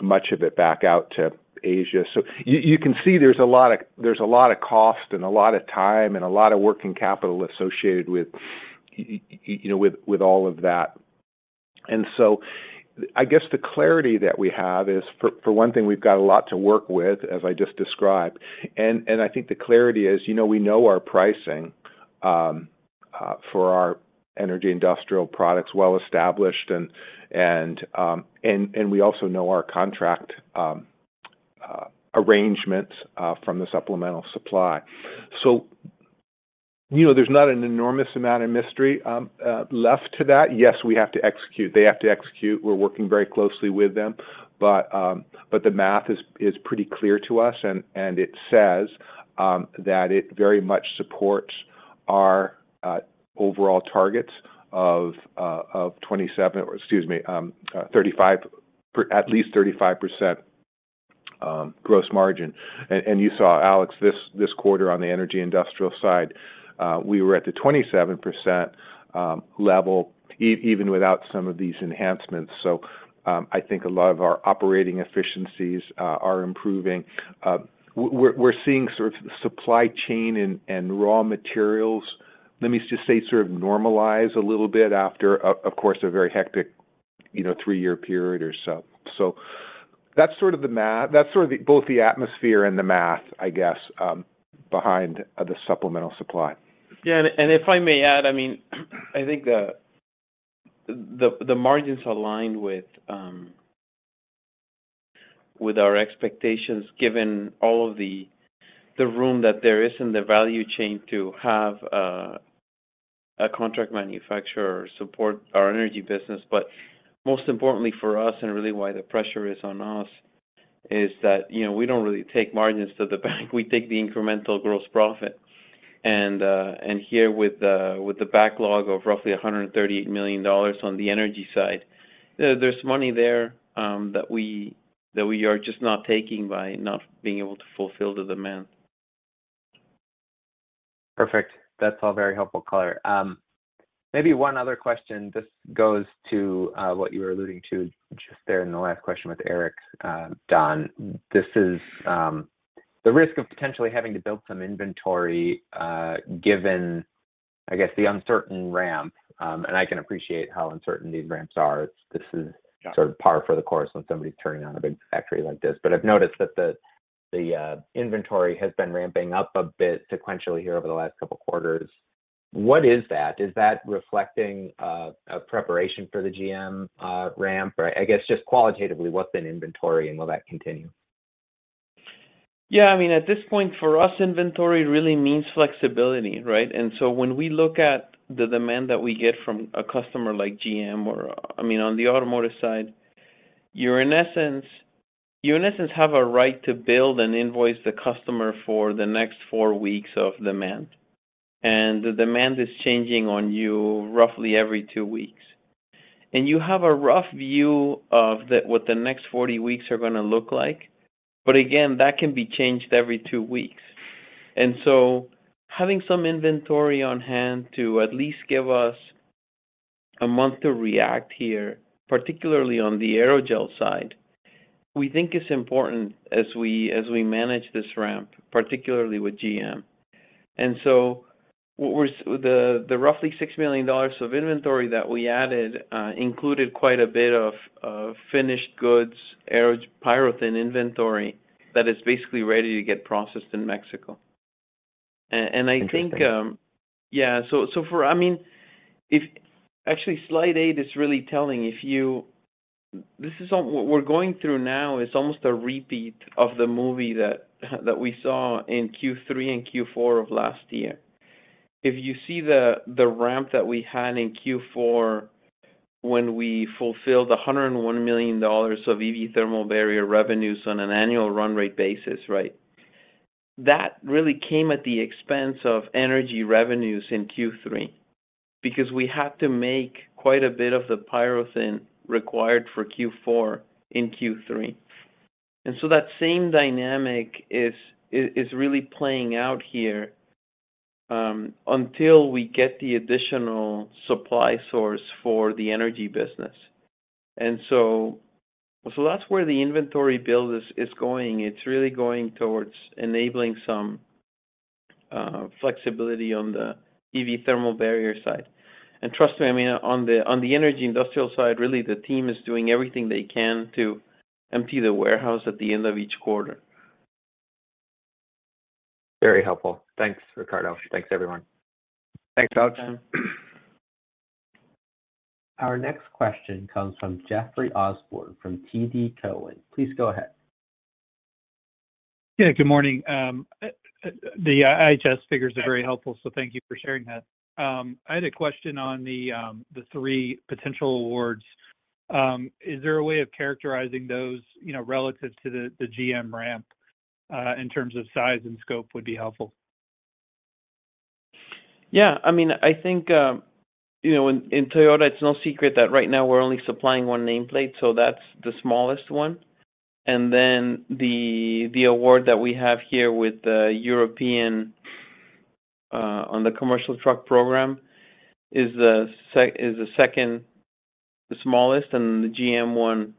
much of it back out to Asia. You can see there's a lot of, there's a lot of cost and a lot of time and a lot of working capital associated with, you know, with, with all of that. I guess the clarity that we have is, for, for one thing, we've got a lot to work with, as I just described. I think the clarity is, you know, we know our pricing for our energy industrial products well established, and, and we also know our contract arrangements from the supplemental supply. You know, there's not an enormous amount of mystery left to that. Yes, we have to execute. They have to execute. We're working very closely with them, but the math is pretty clear to us, and it says that it very much supports our overall targets of 27-- or excuse me, 35%, at least 35% gross margin. And you saw, Alex, this quarter on the energy industrial side, we were at the 27% level even without some of these enhancements. I think a lot of our operating efficiencies are improving. We're seeing sort of the supply chain and raw materials, let me just say, sort of normalize a little bit after, of course, a very hectic, you know, three-year period or so. That's sort of the math. That's sort of the, both the atmosphere and the math, I guess, behind the supplemental supply. Yeah, if I may add, I mean, I think the margins aligned with our expectations, given all of the room that there is in the value chain to have a contract manufacturer support our energy business. Most importantly for us, and really why the pressure is on us, is that, you know, we don't really take margins to the bank. We take the incremental gross profit. Here with the backlog of roughly $138 million on the energy side, there's money there that we are just not taking by not being able to fulfill the demand. Perfect. That's all very helpful color. Maybe one other question. This goes to what you were alluding to just there in the last question with Eric. Don, this is the risk of potentially having to build some inventory, given, I guess, the uncertain ramp. I can appreciate how uncertain these ramps are. This is. Sure. sort of par for the course when somebody's turning on a big factory like this. I've noticed that the, the inventory has been ramping up a bit sequentially here over the last couple quarters. What is that? Is that reflecting a preparation for the GM ramp? Or I guess just qualitatively, what's in inventory, and will that continue? Yeah, I mean, at this point, for us, inventory really means flexibility, right? So when we look at the demand that we get from a customer like GM or, I mean, on the automotive side, you're in essence, you in essence have a right to build and invoice the customer for the next four weeks of demand, and the demand is changing on you roughly every two weeks. You have a rough view of the, what the next 40 weeks are gonna look like, but again, that can be changed every two weeks. So having some inventory on hand to at least give us a month to react here, particularly on the aerogel side, we think is important as we, as we manage this ramp, particularly with GM. The, the roughly $6 million of inventory that we added included quite a bit of, of finished goods, PyroThin inventory that is basically ready to get processed in Mexico. Interesting. Actually, slide eight is really telling. What we're going through now is almost a repeat of the movie that we saw in Q3 and Q4 of last year. If you see the ramp that we had in Q4 when we fulfilled $101 million of EV thermal barrier revenues on an annual run rate basis, right? That really came at the expense of energy revenues in Q3, because we had to make quite a bit of the PyroThin required for Q4 in Q3. That same dynamic is really playing out here until we get the additional supply source for the energy business. That's where the inventory build is going. It's really going towards enabling some flexibility on the EV thermal barrier side. Trust me, I mean, on the, on the energy industrial side, really, the team is doing everything they can to empty the warehouse at the end of each quarter. Very helpful. Thanks, Ricardo. Thanks, everyone. Thanks, Alex. Our next question comes from Jeffrey Osborne, from TD Cowen. Please go ahead. Yeah, good morning. The IHS figures are very helpful, so thank you for sharing that. I had a question on the three potential awards. Is there a way of characterizing those, you know, relative to the GM ramp, in terms of size and scope, would be helpful? Yeah. I mean, I think, you know, in, in Toyota, it's no secret that right now we're only supplying one nameplate, so that's the smallest one. Then the, the award that we have here with the European, on the commercial truck program, is the is the second smallest, and the GM one,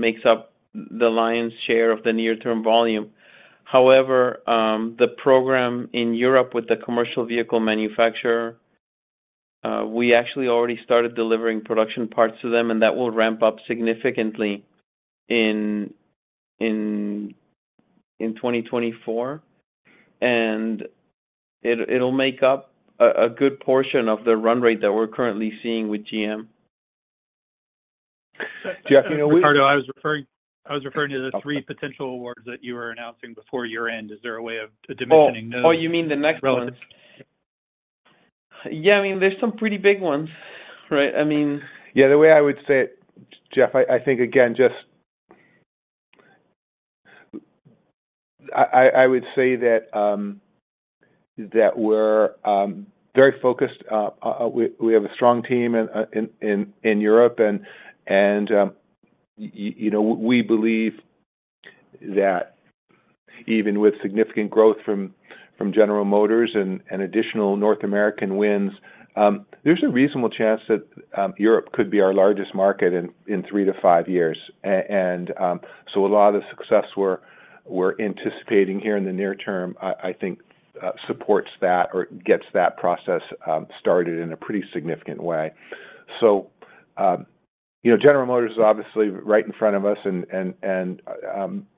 makes up the lion's share of the near-term volume. However, the program in Europe with the commercial vehicle manufacturer, we actually already started delivering production parts to them, and that will ramp up significantly in, in 2024. It'll, it'll make up a, a good portion of the run rate that we're currently seeing with GM. Jeff, you know. Ricardo, I was referring, I was referring to the three potential awards that you were announcing before year-end. Is there a way of dimensioning those? Oh, oh, you mean the next ones? Right. Yeah, I mean, there's some pretty big ones, right? I mean. Yeah, the way I would say it, Jeff, I, I think, again, I, I, I would say that we're very focused. We, we have a strong team in, in, in Europe, and, and, you know, we believe that even with significant growth from, from General Motors and, and additional North American wins, there's a reasonable chance that Europe could be our largest market in, in three to five years. So a lot of the success we're, we're anticipating here in the near term, I, I think, supports that or gets that process, started in a pretty significant way. you know, General Motors is obviously right in front of us and, and, and,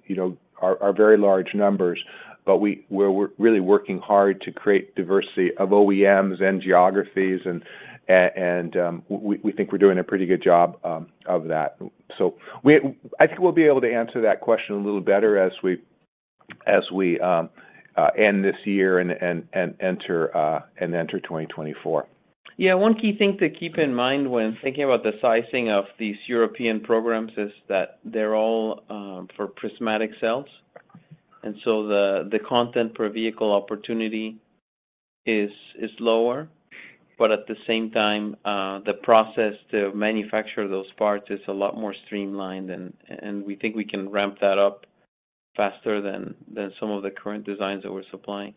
you know, are, are very large numbers, but we're really working hard to create diversity of OEMs and geographies, and, and, we, we think we're doing a pretty good job of that. I think we'll be able to answer that question a little better as we, as we end this year and, and, and enter and enter 2024. Yeah, one key thing to keep in mind when thinking about the sizing of these European programs is that they're all for prismatic cells, and so the, the content per vehicle opportunity is lower. At the same time, the process to manufacture those parts is a lot more streamlined, and, and we think we can ramp that up faster than, than some of the current designs that we're supplying.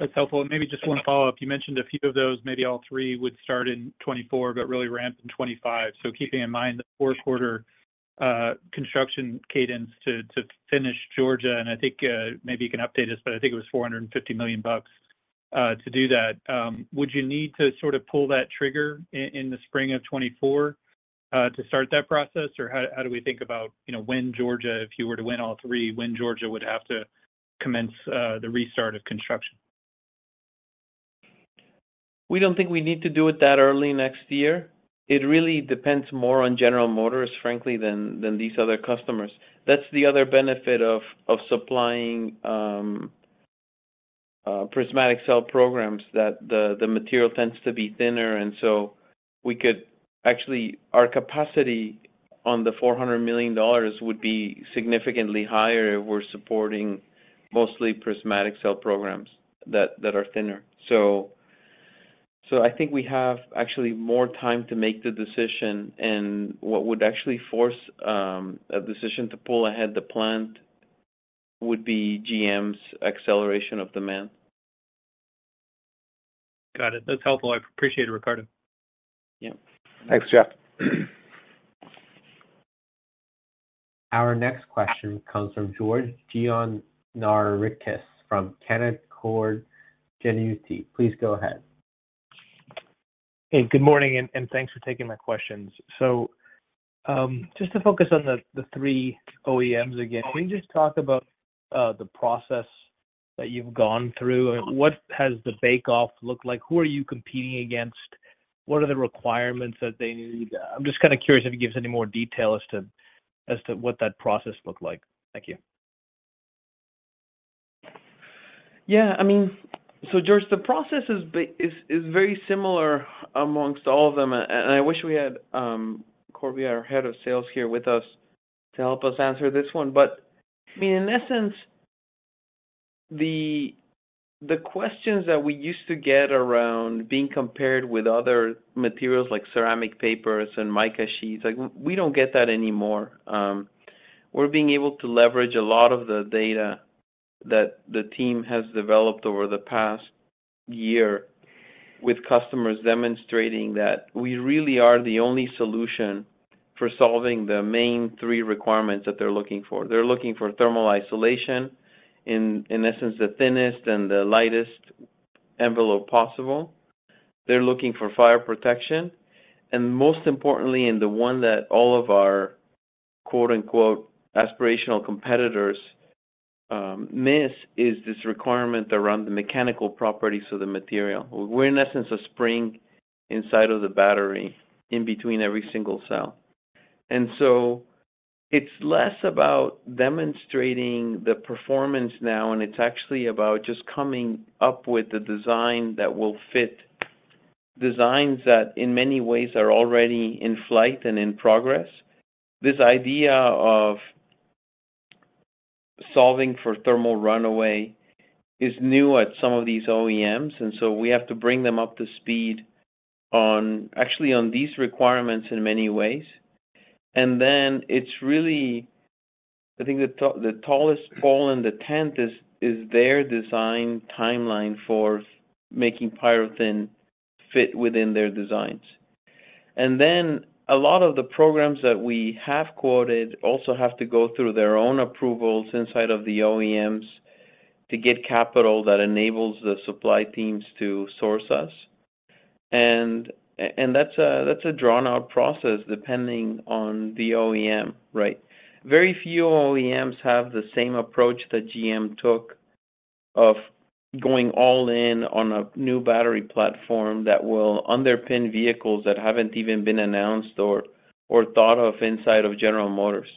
That's helpful. Maybe just one follow-up. You mentioned a few of those, maybe all three, would start in 2024, but really ramp in 2025. Keeping in mind the fourth quarter construction cadence to finish Georgia, and I think maybe you can update us, but I think it was $450 million to do that. Would you need to sort of pull that trigger in the spring of 2024 to start that process? How, how do we think about, you know, when Georgia, if you were to win all three, when Georgia would have to commence the restart of construction? We don't think we need to do it that early next year. It really depends more on General Motors, frankly, than, than these other customers. That's the other benefit of, of supplying prismatic cell programs, that the, the material tends to be thinner, and so we could Actually, our capacity on the $400 million would be significantly higher if we're supporting mostly prismatic cell programs that, that are thinner. I think we have actually more time to make the decision, and what would actually force a decision to pull ahead the plant would be GM's acceleration of demand. Got it. That's helpful. I appreciate it, Ricardo. Yeah. Thanks, Jeff. Our next question comes from George Gianarikas from Canaccord Genuity. Please go ahead. Good morning, and thanks for taking my questions. Just to focus on the three OEMs again, can we just talk about the process that you've gone through? What has the bake-off looked like? Who are you competing against? What are the requirements that they need? I'm just kind of curious if you can give us any more detail as to, as to what that process looked like. Thank you. I mean, George, the process is is, is very similar amongst all of them. I wish we had Corby, our head of sales, here with us to help us answer this one. I mean, in essence, the questions that we used to get around being compared with other materials like ceramic paper and mica sheets, like we don't get that anymore. We're being able to leverage a lot of the data that the team has developed over the past year with customers, demonstrating that we really are the only solution for solving the main three requirements that they're looking for. They're looking for thermal isolation, in, in essence, the thinnest and the lightest envelope possible. They're looking for fire protection, and most importantly, the one that all of our, quote-unquote, "aspirational competitors", miss, is this requirement around the mechanical properties of the material. We're, in essence, a spring inside of the battery in between every single cell. It's less about demonstrating the performance now, and it's actually about just coming up with a design that will fit designs that, in many ways, are already in flight and in progress. This idea of solving for thermal runaway is new at some of these OEMs, and so we have to bring them up to speed on, actually, on these requirements in many ways. It's really, I think the tall- the tallest pole in the tent is their design timeline for making PyroThin fit within their designs. Then a lot of the programs that we have quoted also have to go through their own approvals inside of the OEMs to get capital that enables the supply teams to source us. That's a, that's a drawn-out process, depending on the OEM, right? Very few OEMs have the same approach that GM took of going all in on a new battery platform that will underpin vehicles that haven't even been announced or thought of inside of General Motors.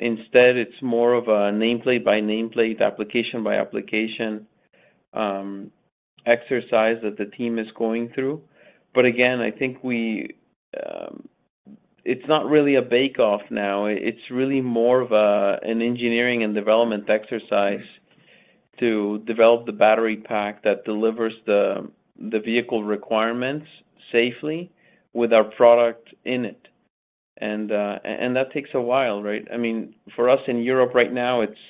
Instead, it's more of a nameplate by nameplate, application by application, exercise that the team is going through. Again, I think we, it's not really a bake-off now. It's really more of an engineering and development exercise to develop the battery pack that delivers the vehicle requirements safely with our product in it. That takes a while, right? I mean, for us in Europe right now, it's,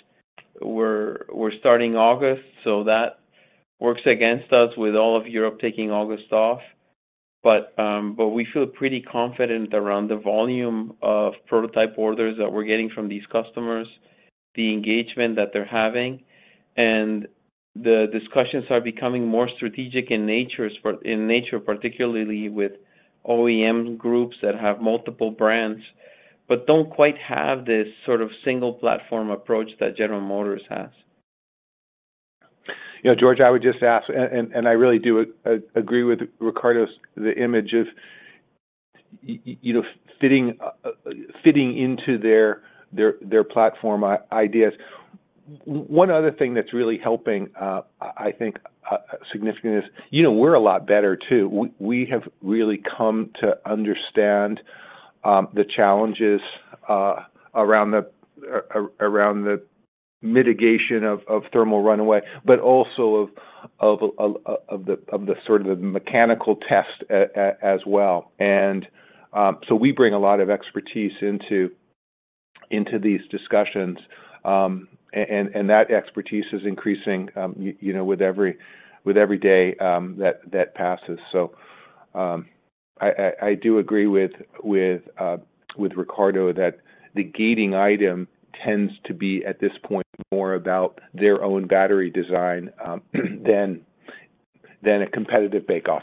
we're starting August, so that works against us with all of Europe taking August off. We feel pretty confident around the volume of prototype orders that we're getting from these customers, the engagement that they're having, and the discussions are becoming more strategic in nature, particularly with OEM groups that have multiple brands, but don't quite have this sort of single platform approach that General Motors has. You know, George, I would just ask, and, and, and I really do agree with Ricardo's, the image of you know, fitting, fitting into their, their, their platform ideas. One other thing that's really helping, I think, significantly is, you know, we're a lot better, too. We, we have really come to understand, the challenges, around the, around the mitigation of, of thermal runaway, but also of, of, of, of the, of the sort of the mechanical test as well. So we bring a lot of expertise into, into these discussions, and, and that expertise is increasing, you know, with every, with every day, that, that passes. I, I, I do agree with, with Ricardo that the gating item tends to be, at this point, more about their own battery design, than, than a competitive bake-off.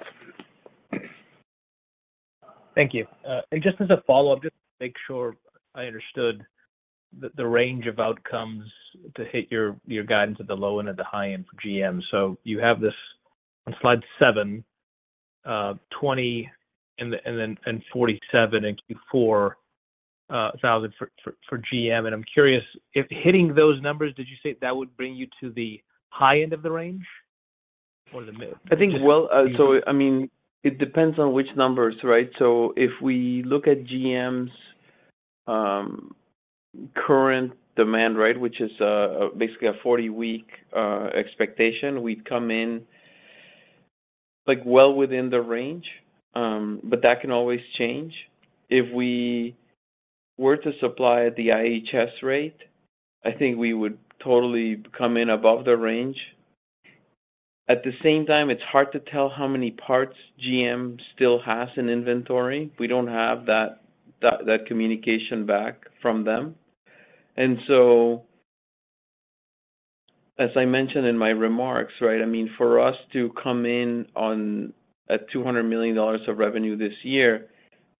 Thank you. Just as a follow-up, just to make sure I understood the range of outcomes to hit your guidance at the low end and the high end for GM. You have this on slide seven, 20 and 47 and 4,000 for GM, and I'm curious if hitting those numbers, did you say that would bring you to the high end of the range or the mid? I think, well, I mean, it depends on which numbers, right? If we look at GM's current demand, right, which is basically a 40-week expectation, we'd come in, like, well within the range, but that can always change. If we were to supply at the IHS rate, I think we would totally come in above the range. At the same time, it's hard to tell how many parts GM still has in inventory. We don't have that, that, that communication back from them. As I mentioned in my remarks, right, I mean, for us to come in on, at $200 million of revenue this year,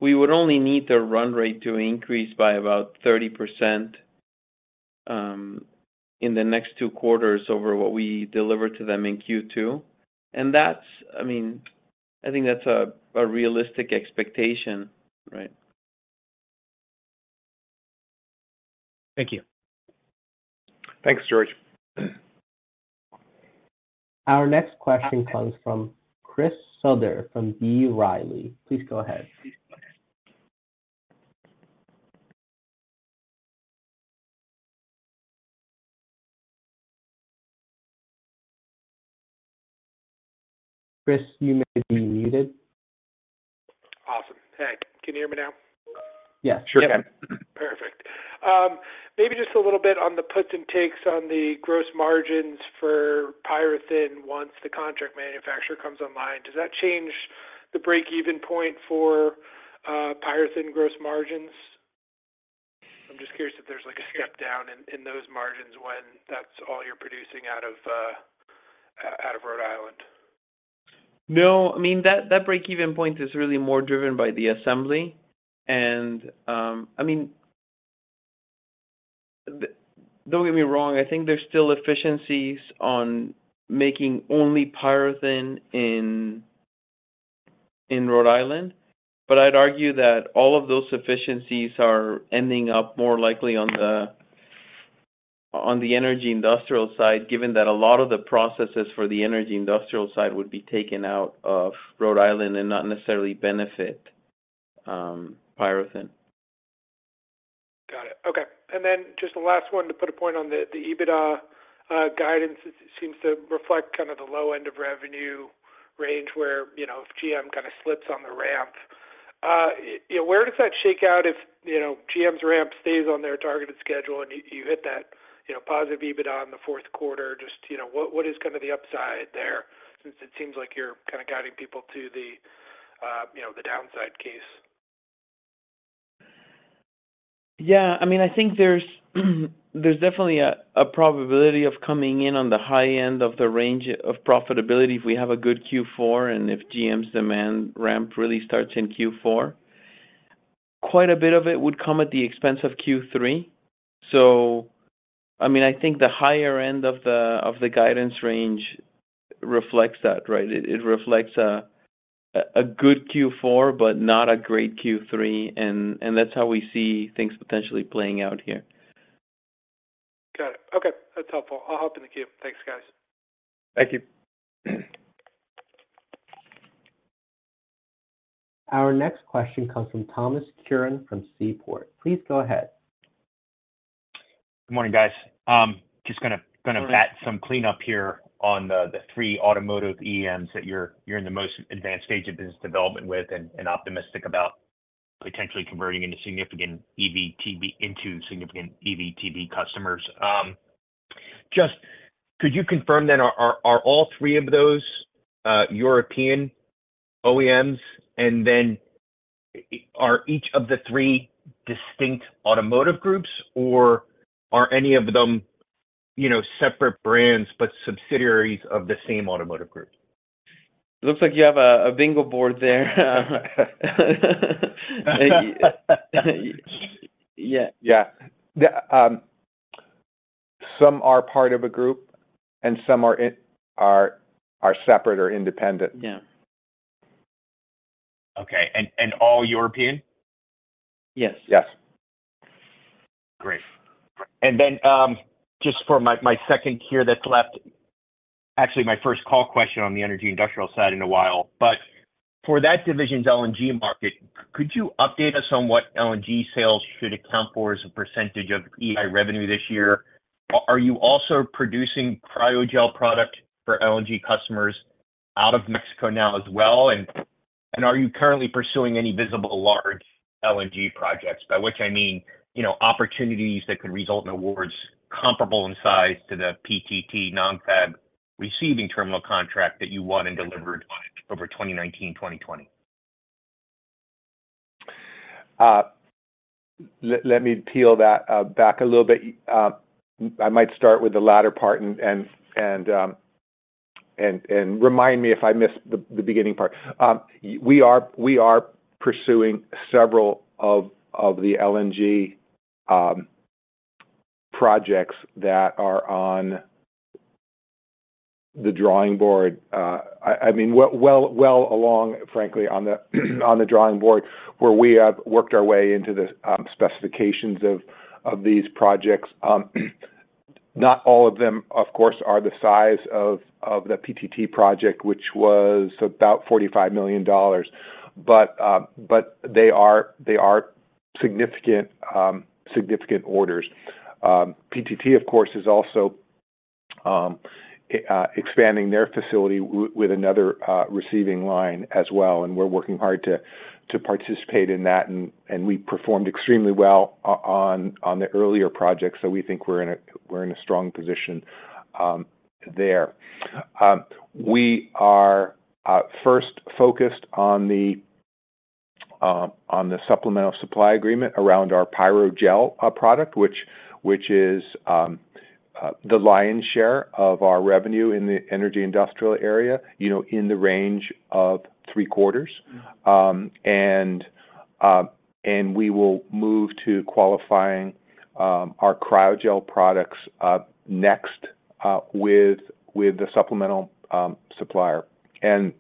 we would only need the run rate to increase by about 30% in the next two quarters over what we delivered to them in Q2. I mean, I think that's a, a realistic expectation, right? Thank you. Thanks, George. Our next question comes from Chris Souther, from B. Riley. Please go ahead. Chris, you may be muted. Awesome. Hey, can you hear me now? Yes, sure can. Perfect. Maybe just a little bit on the puts and takes on the gross margins for PyroThin once the contract manufacturer comes online. Does that change the break-even point for PyroThin gross margins? I'm just curious if there's like a step down in those margins when that's all you're producing out of Rhode Island. No, I mean, that, that break-even point is really more driven by the assembly. I mean, don't get me wrong, I think there's still efficiencies on making only PyroThin in, in Rhode Island, but I'd argue that all of those efficiencies are ending up more likely on the, on the energy industrial side, given that a lot of the processes for the energy industrial side would be taken out of Rhode Island and not necessarily benefit, PyroThin. Got it. Okay. Then just the last one, to put a point on the, the EBITDA guidance, it seems to reflect kind of the low end of revenue range where, you know, if GM kind of slips on the ramp. You know, where does that shake out if, you know, GM's ramp stays on their targeted schedule, and you, you hit that, you know, positive EBITDA in the fourth quarter? Just, you know, what, what is kind of the upside there, since it seems like you're kind of guiding people to the, you know, the downside case? Yeah, I mean, I think there's, there's definitely a, a probability of coming in on the high end of the range of profitability if we have a good Q4 and if GM's demand ramp really starts in Q4. Quite a bit of it would come at the expense of Q3. I mean, I think the higher end of the, of the guidance range reflects that, right? It, it reflects a, a good Q4, but not a great Q3, and, and that's how we see things potentially playing out here. Got it. Okay, that's helpful. I'll hop in the queue. Thanks, guys. Thank you. Our next question comes from Thomas Curran from Seaport. Please go ahead. Good morning, guys. Good morning. Gonna add some cleanup here on the, the three automotive OEMs that you're, you're in the most advanced stage of business development with and, and optimistic about potentially converting into significant EVTB customers. Just could you confirm then, are all three of those European OEMs? Then are each of the three distinct automotive groups, or are any of them, you know, separate brands, but subsidiaries of the same automotive group? It looks like you have a, a bingo board there. Yeah. Yeah. The, some are part of a group, and some are separate or independent. Yeah. Okay, and all European? Yes. Yes. Great. Just for my, my second here that's left-- actually, my first call question on the energy industrial side in a while, but for that division's LNG market, could you update us on what LNG sales should account for as a % of EI revenue this year? Are you also producing Cryogel product for LNG customers out of Mexico now as well, and are you currently pursuing any visible large LNG projects? By which I mean, you know, opportunities that could result in awards comparable in size to the PTT Nong Fab receiving terminal contract that you won and delivered on over 2019, 2020. Let, let me peel that back a little bit. I might start with the latter part, and, and, and, and, and remind me if I miss the, the beginning part. We are, we are pursuing several of, of the LNG projects that are on the drawing board. I, I mean, well, well, well along, frankly, on the, on the drawing board, where we have worked our way into the specifications of, of these projects. Not all of them, of course, are the size of, of the PTT project, which was about $45 million, but, but they are, they are significant, significant orders. PTT, of course, is also expanding their facility with another receiving line as well, and we're working hard to participate in that, and we performed extremely well on, on the earlier projects, so we think we're in a strong position there. We are first focused on the supplemental supply agreement around our Pyrogel product, which is the lion's share of our revenue in the energy industrial area, you know, in the range of three-quarters. We will move to qualifying our Cryogel products next with the supplemental supplier. That,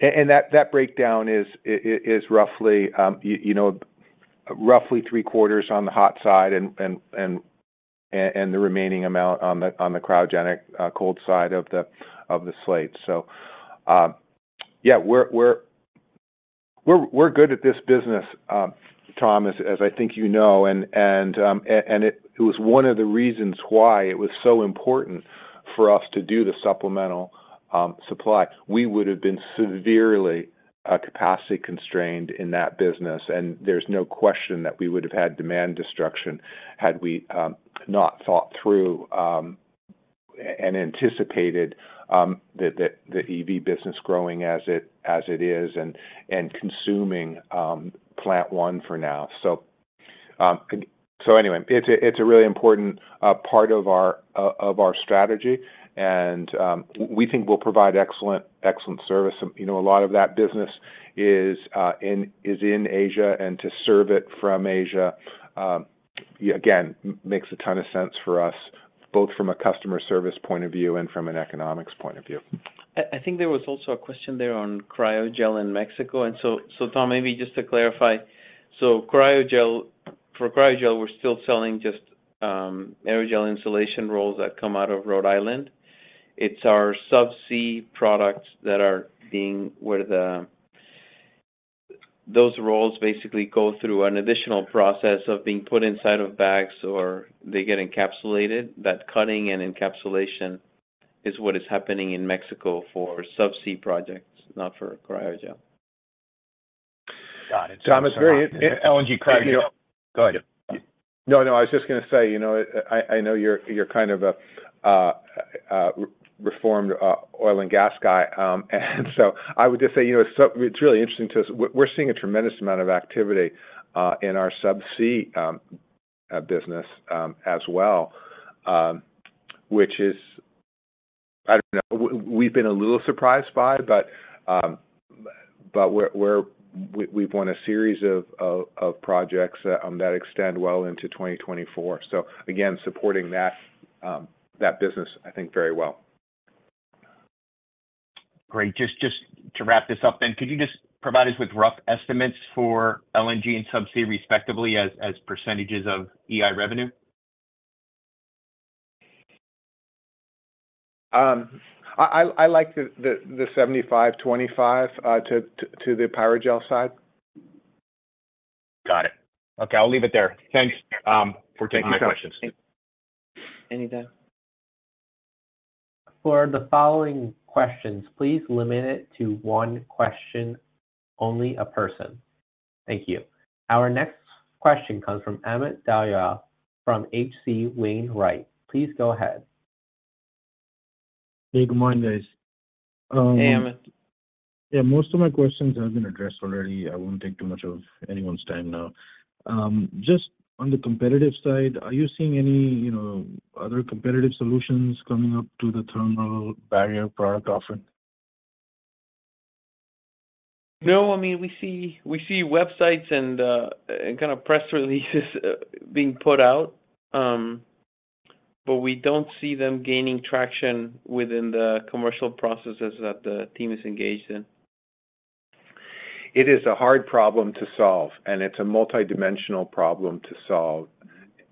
that breakdown is roughly, you know, roughly three-quarters on the hot side and, and, and the remaining amount on the, on the cryogenic cold side of the, of the slate. Yeah, we're, we're good at this business, Thomas, as I think you know, and it it was one of the reasons why it was so important for us to do the supplemental supply. We would have been severely capacity constrained in that business, and there's no question that we would have had demand destruction had we not thought through and anticipated the EV business growing as it is and consuming Plant One for now. Anyway, it's a, it's a really important part of our strategy, and we think we'll provide excellent, excellent service. You know, a lot of that business is in Asia, and to serve it from Asia, again, makes a ton of sense for us, both from a customer service point of view and from an economics point of view. I think there was also a question there on Cryogel in Mexico. Tom, maybe just to clarify: Cryogel, for Cryogel, we're still selling just aerogel insulation rolls that come out of Rhode Island. It's our subsea products that are being where those rolls basically go through an additional process of being put inside of bags, or they get encapsulated. That cutting and encapsulation is what is happening in Mexico for subsea projects, not for Cryogel. Got it. Thomas, LNG Cryogel. Go ahead. No, no, I was just gonna say, you know, I, I know you're, you're kind of a, a reformed oil and gas guy, and so I would just say, you know, it's really interesting to us. We're, we're seeing a tremendous amount of activity in our subsea business as well, which is, I don't know, we've been a little surprised by, but we've won a series of projects that extend well into 2024. Again, supporting that business, I think, very well. Great. Just, just to wrap this up then, could you just provide us with rough estimates for LNG and subsea, respectively, as, as percentages of EI revenue? I, I, I like the, the, the 75, 25, to, to, to the Pyrogel side. Got it. Okay, I'll leave it there. Thanks for taking my questions. Anytime. For the following questions, please limit it to one question, only a person. Thank you. Our next question comes from Amit Dayal from H.C. Wainwright. Please go ahead. Hey, good morning, guys. Hey, Amit. Yeah, most of my questions have been addressed already. I won't take too much of anyone's time now. Just on the competitive side, are you seeing any, you know, other competitive solutions coming up to the thermal barrier product offering? No. I mean, we see, we see websites and and kind of press releases being put out, but we don't see them gaining traction within the commercial processes that the team is engaged in. It is a hard problem to solve, and it's a multidimensional problem to solve.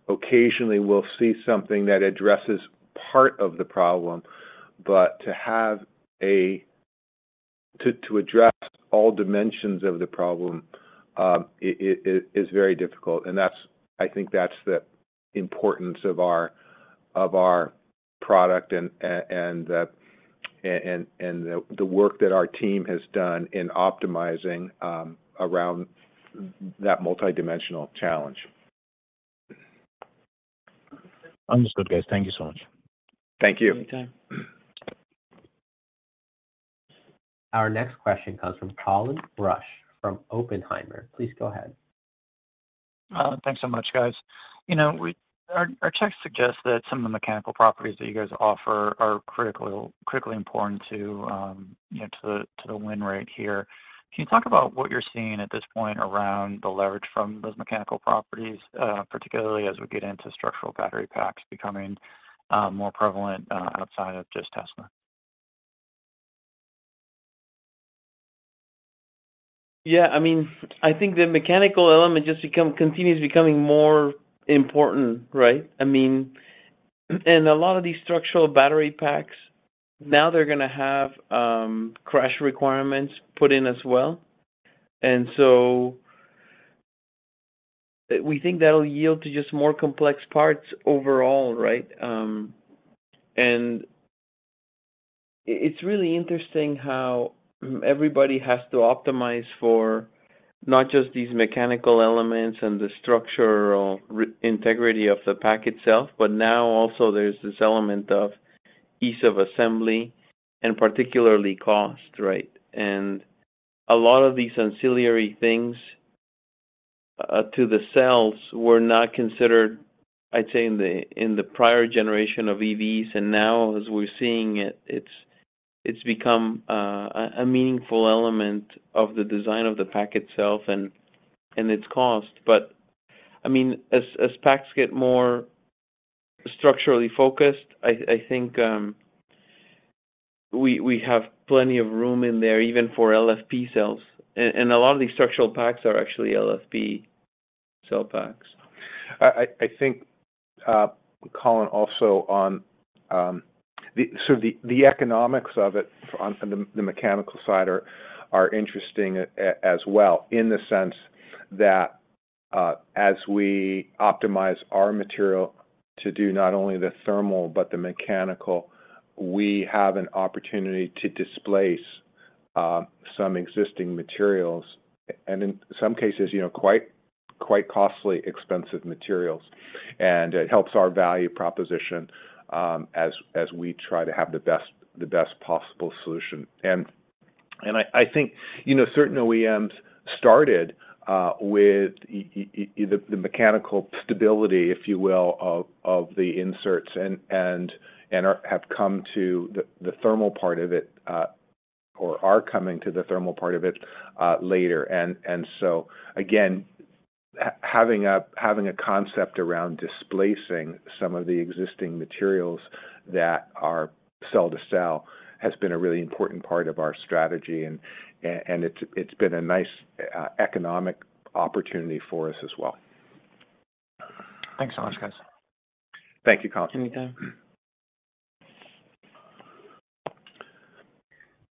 Occasionally, we'll see something that addresses part of the problem, but to have to address all dimensions of the problem, it, it, it's very difficult. I think that's the importance of our, of our product and, and the work that our team has done in optimizing around that multidimensional challenge. Understood, guys. Thank you so much. Thank you. Anytime. Our next question comes from Colin Rusch from Oppenheimer. Please go ahead. Thanks so much, guys. You know, our, our checks suggest that some of the mechanical properties that you guys offer are critically, critically important to, you know, to the win rate here. Can you talk about what you're seeing at this point around the leverage from those mechanical properties, particularly as we get into structural battery packs becoming more prevalent outside of just Tesla? Yeah, I mean, I think the mechanical element just continues becoming more important, right? I mean, a lot of these structural battery packs, now they're gonna have crash requirements put in as well. We think that'll yield to just more complex parts overall, right? It's really interesting how everybody has to optimize for not just these mechanical elements and the structural integrity of the pack itself, but now also there's this element of ease of assembly and particularly cost, right? A lot of these ancillary things to the cells were not considered, I'd say, in the, in the prior generation of EVs, and now, as we're seeing it, it's, it's become a meaningful element of the design of the pack itself and its cost. I mean, as, as packs get more structurally focused, I, I think, we, we have plenty of room in there, even for LFP cells. A lot of these structural packs are actually LFP cell packs. I, I, I think, Colin, also on the economics of it on from the mechanical side are interesting as well, in the sense that as we optimize our material to do not only the thermal but the mechanical, we have an opportunity to displace some existing materials, and in some cases, you know, quite, quite costly, expensive materials. It helps our value proposition as we try to have the best, the best possible solution. I, I think, you know, certain OEMs started with the mechanical stability, if you will, of the inserts and are have come to the thermal part of it or are coming to the thermal part of it later. So again, having a, having a concept around displacing some of the existing materials that are cell to cell has been a really important part of our strategy, and, and it's, it's been a nice, economic opportunity for us as well. Thanks so much, guys. Thank you, Colin. Anytime.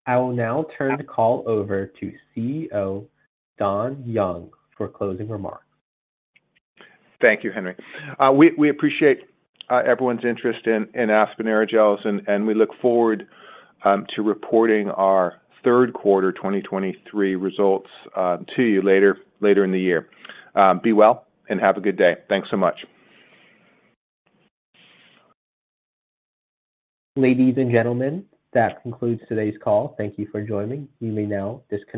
I will now turn the call over to CEO Don Young for closing remarks. Thank you, Henry. We, we appreciate everyone's interest in, in Aspen Aerogels, and, and we look forward, to reporting our third quarter 2023 results to you later, later in the year. Be well, and have a good day. Thanks so much. Ladies and gentlemen, that concludes today's call. Thank you for joining. You may now disconnect.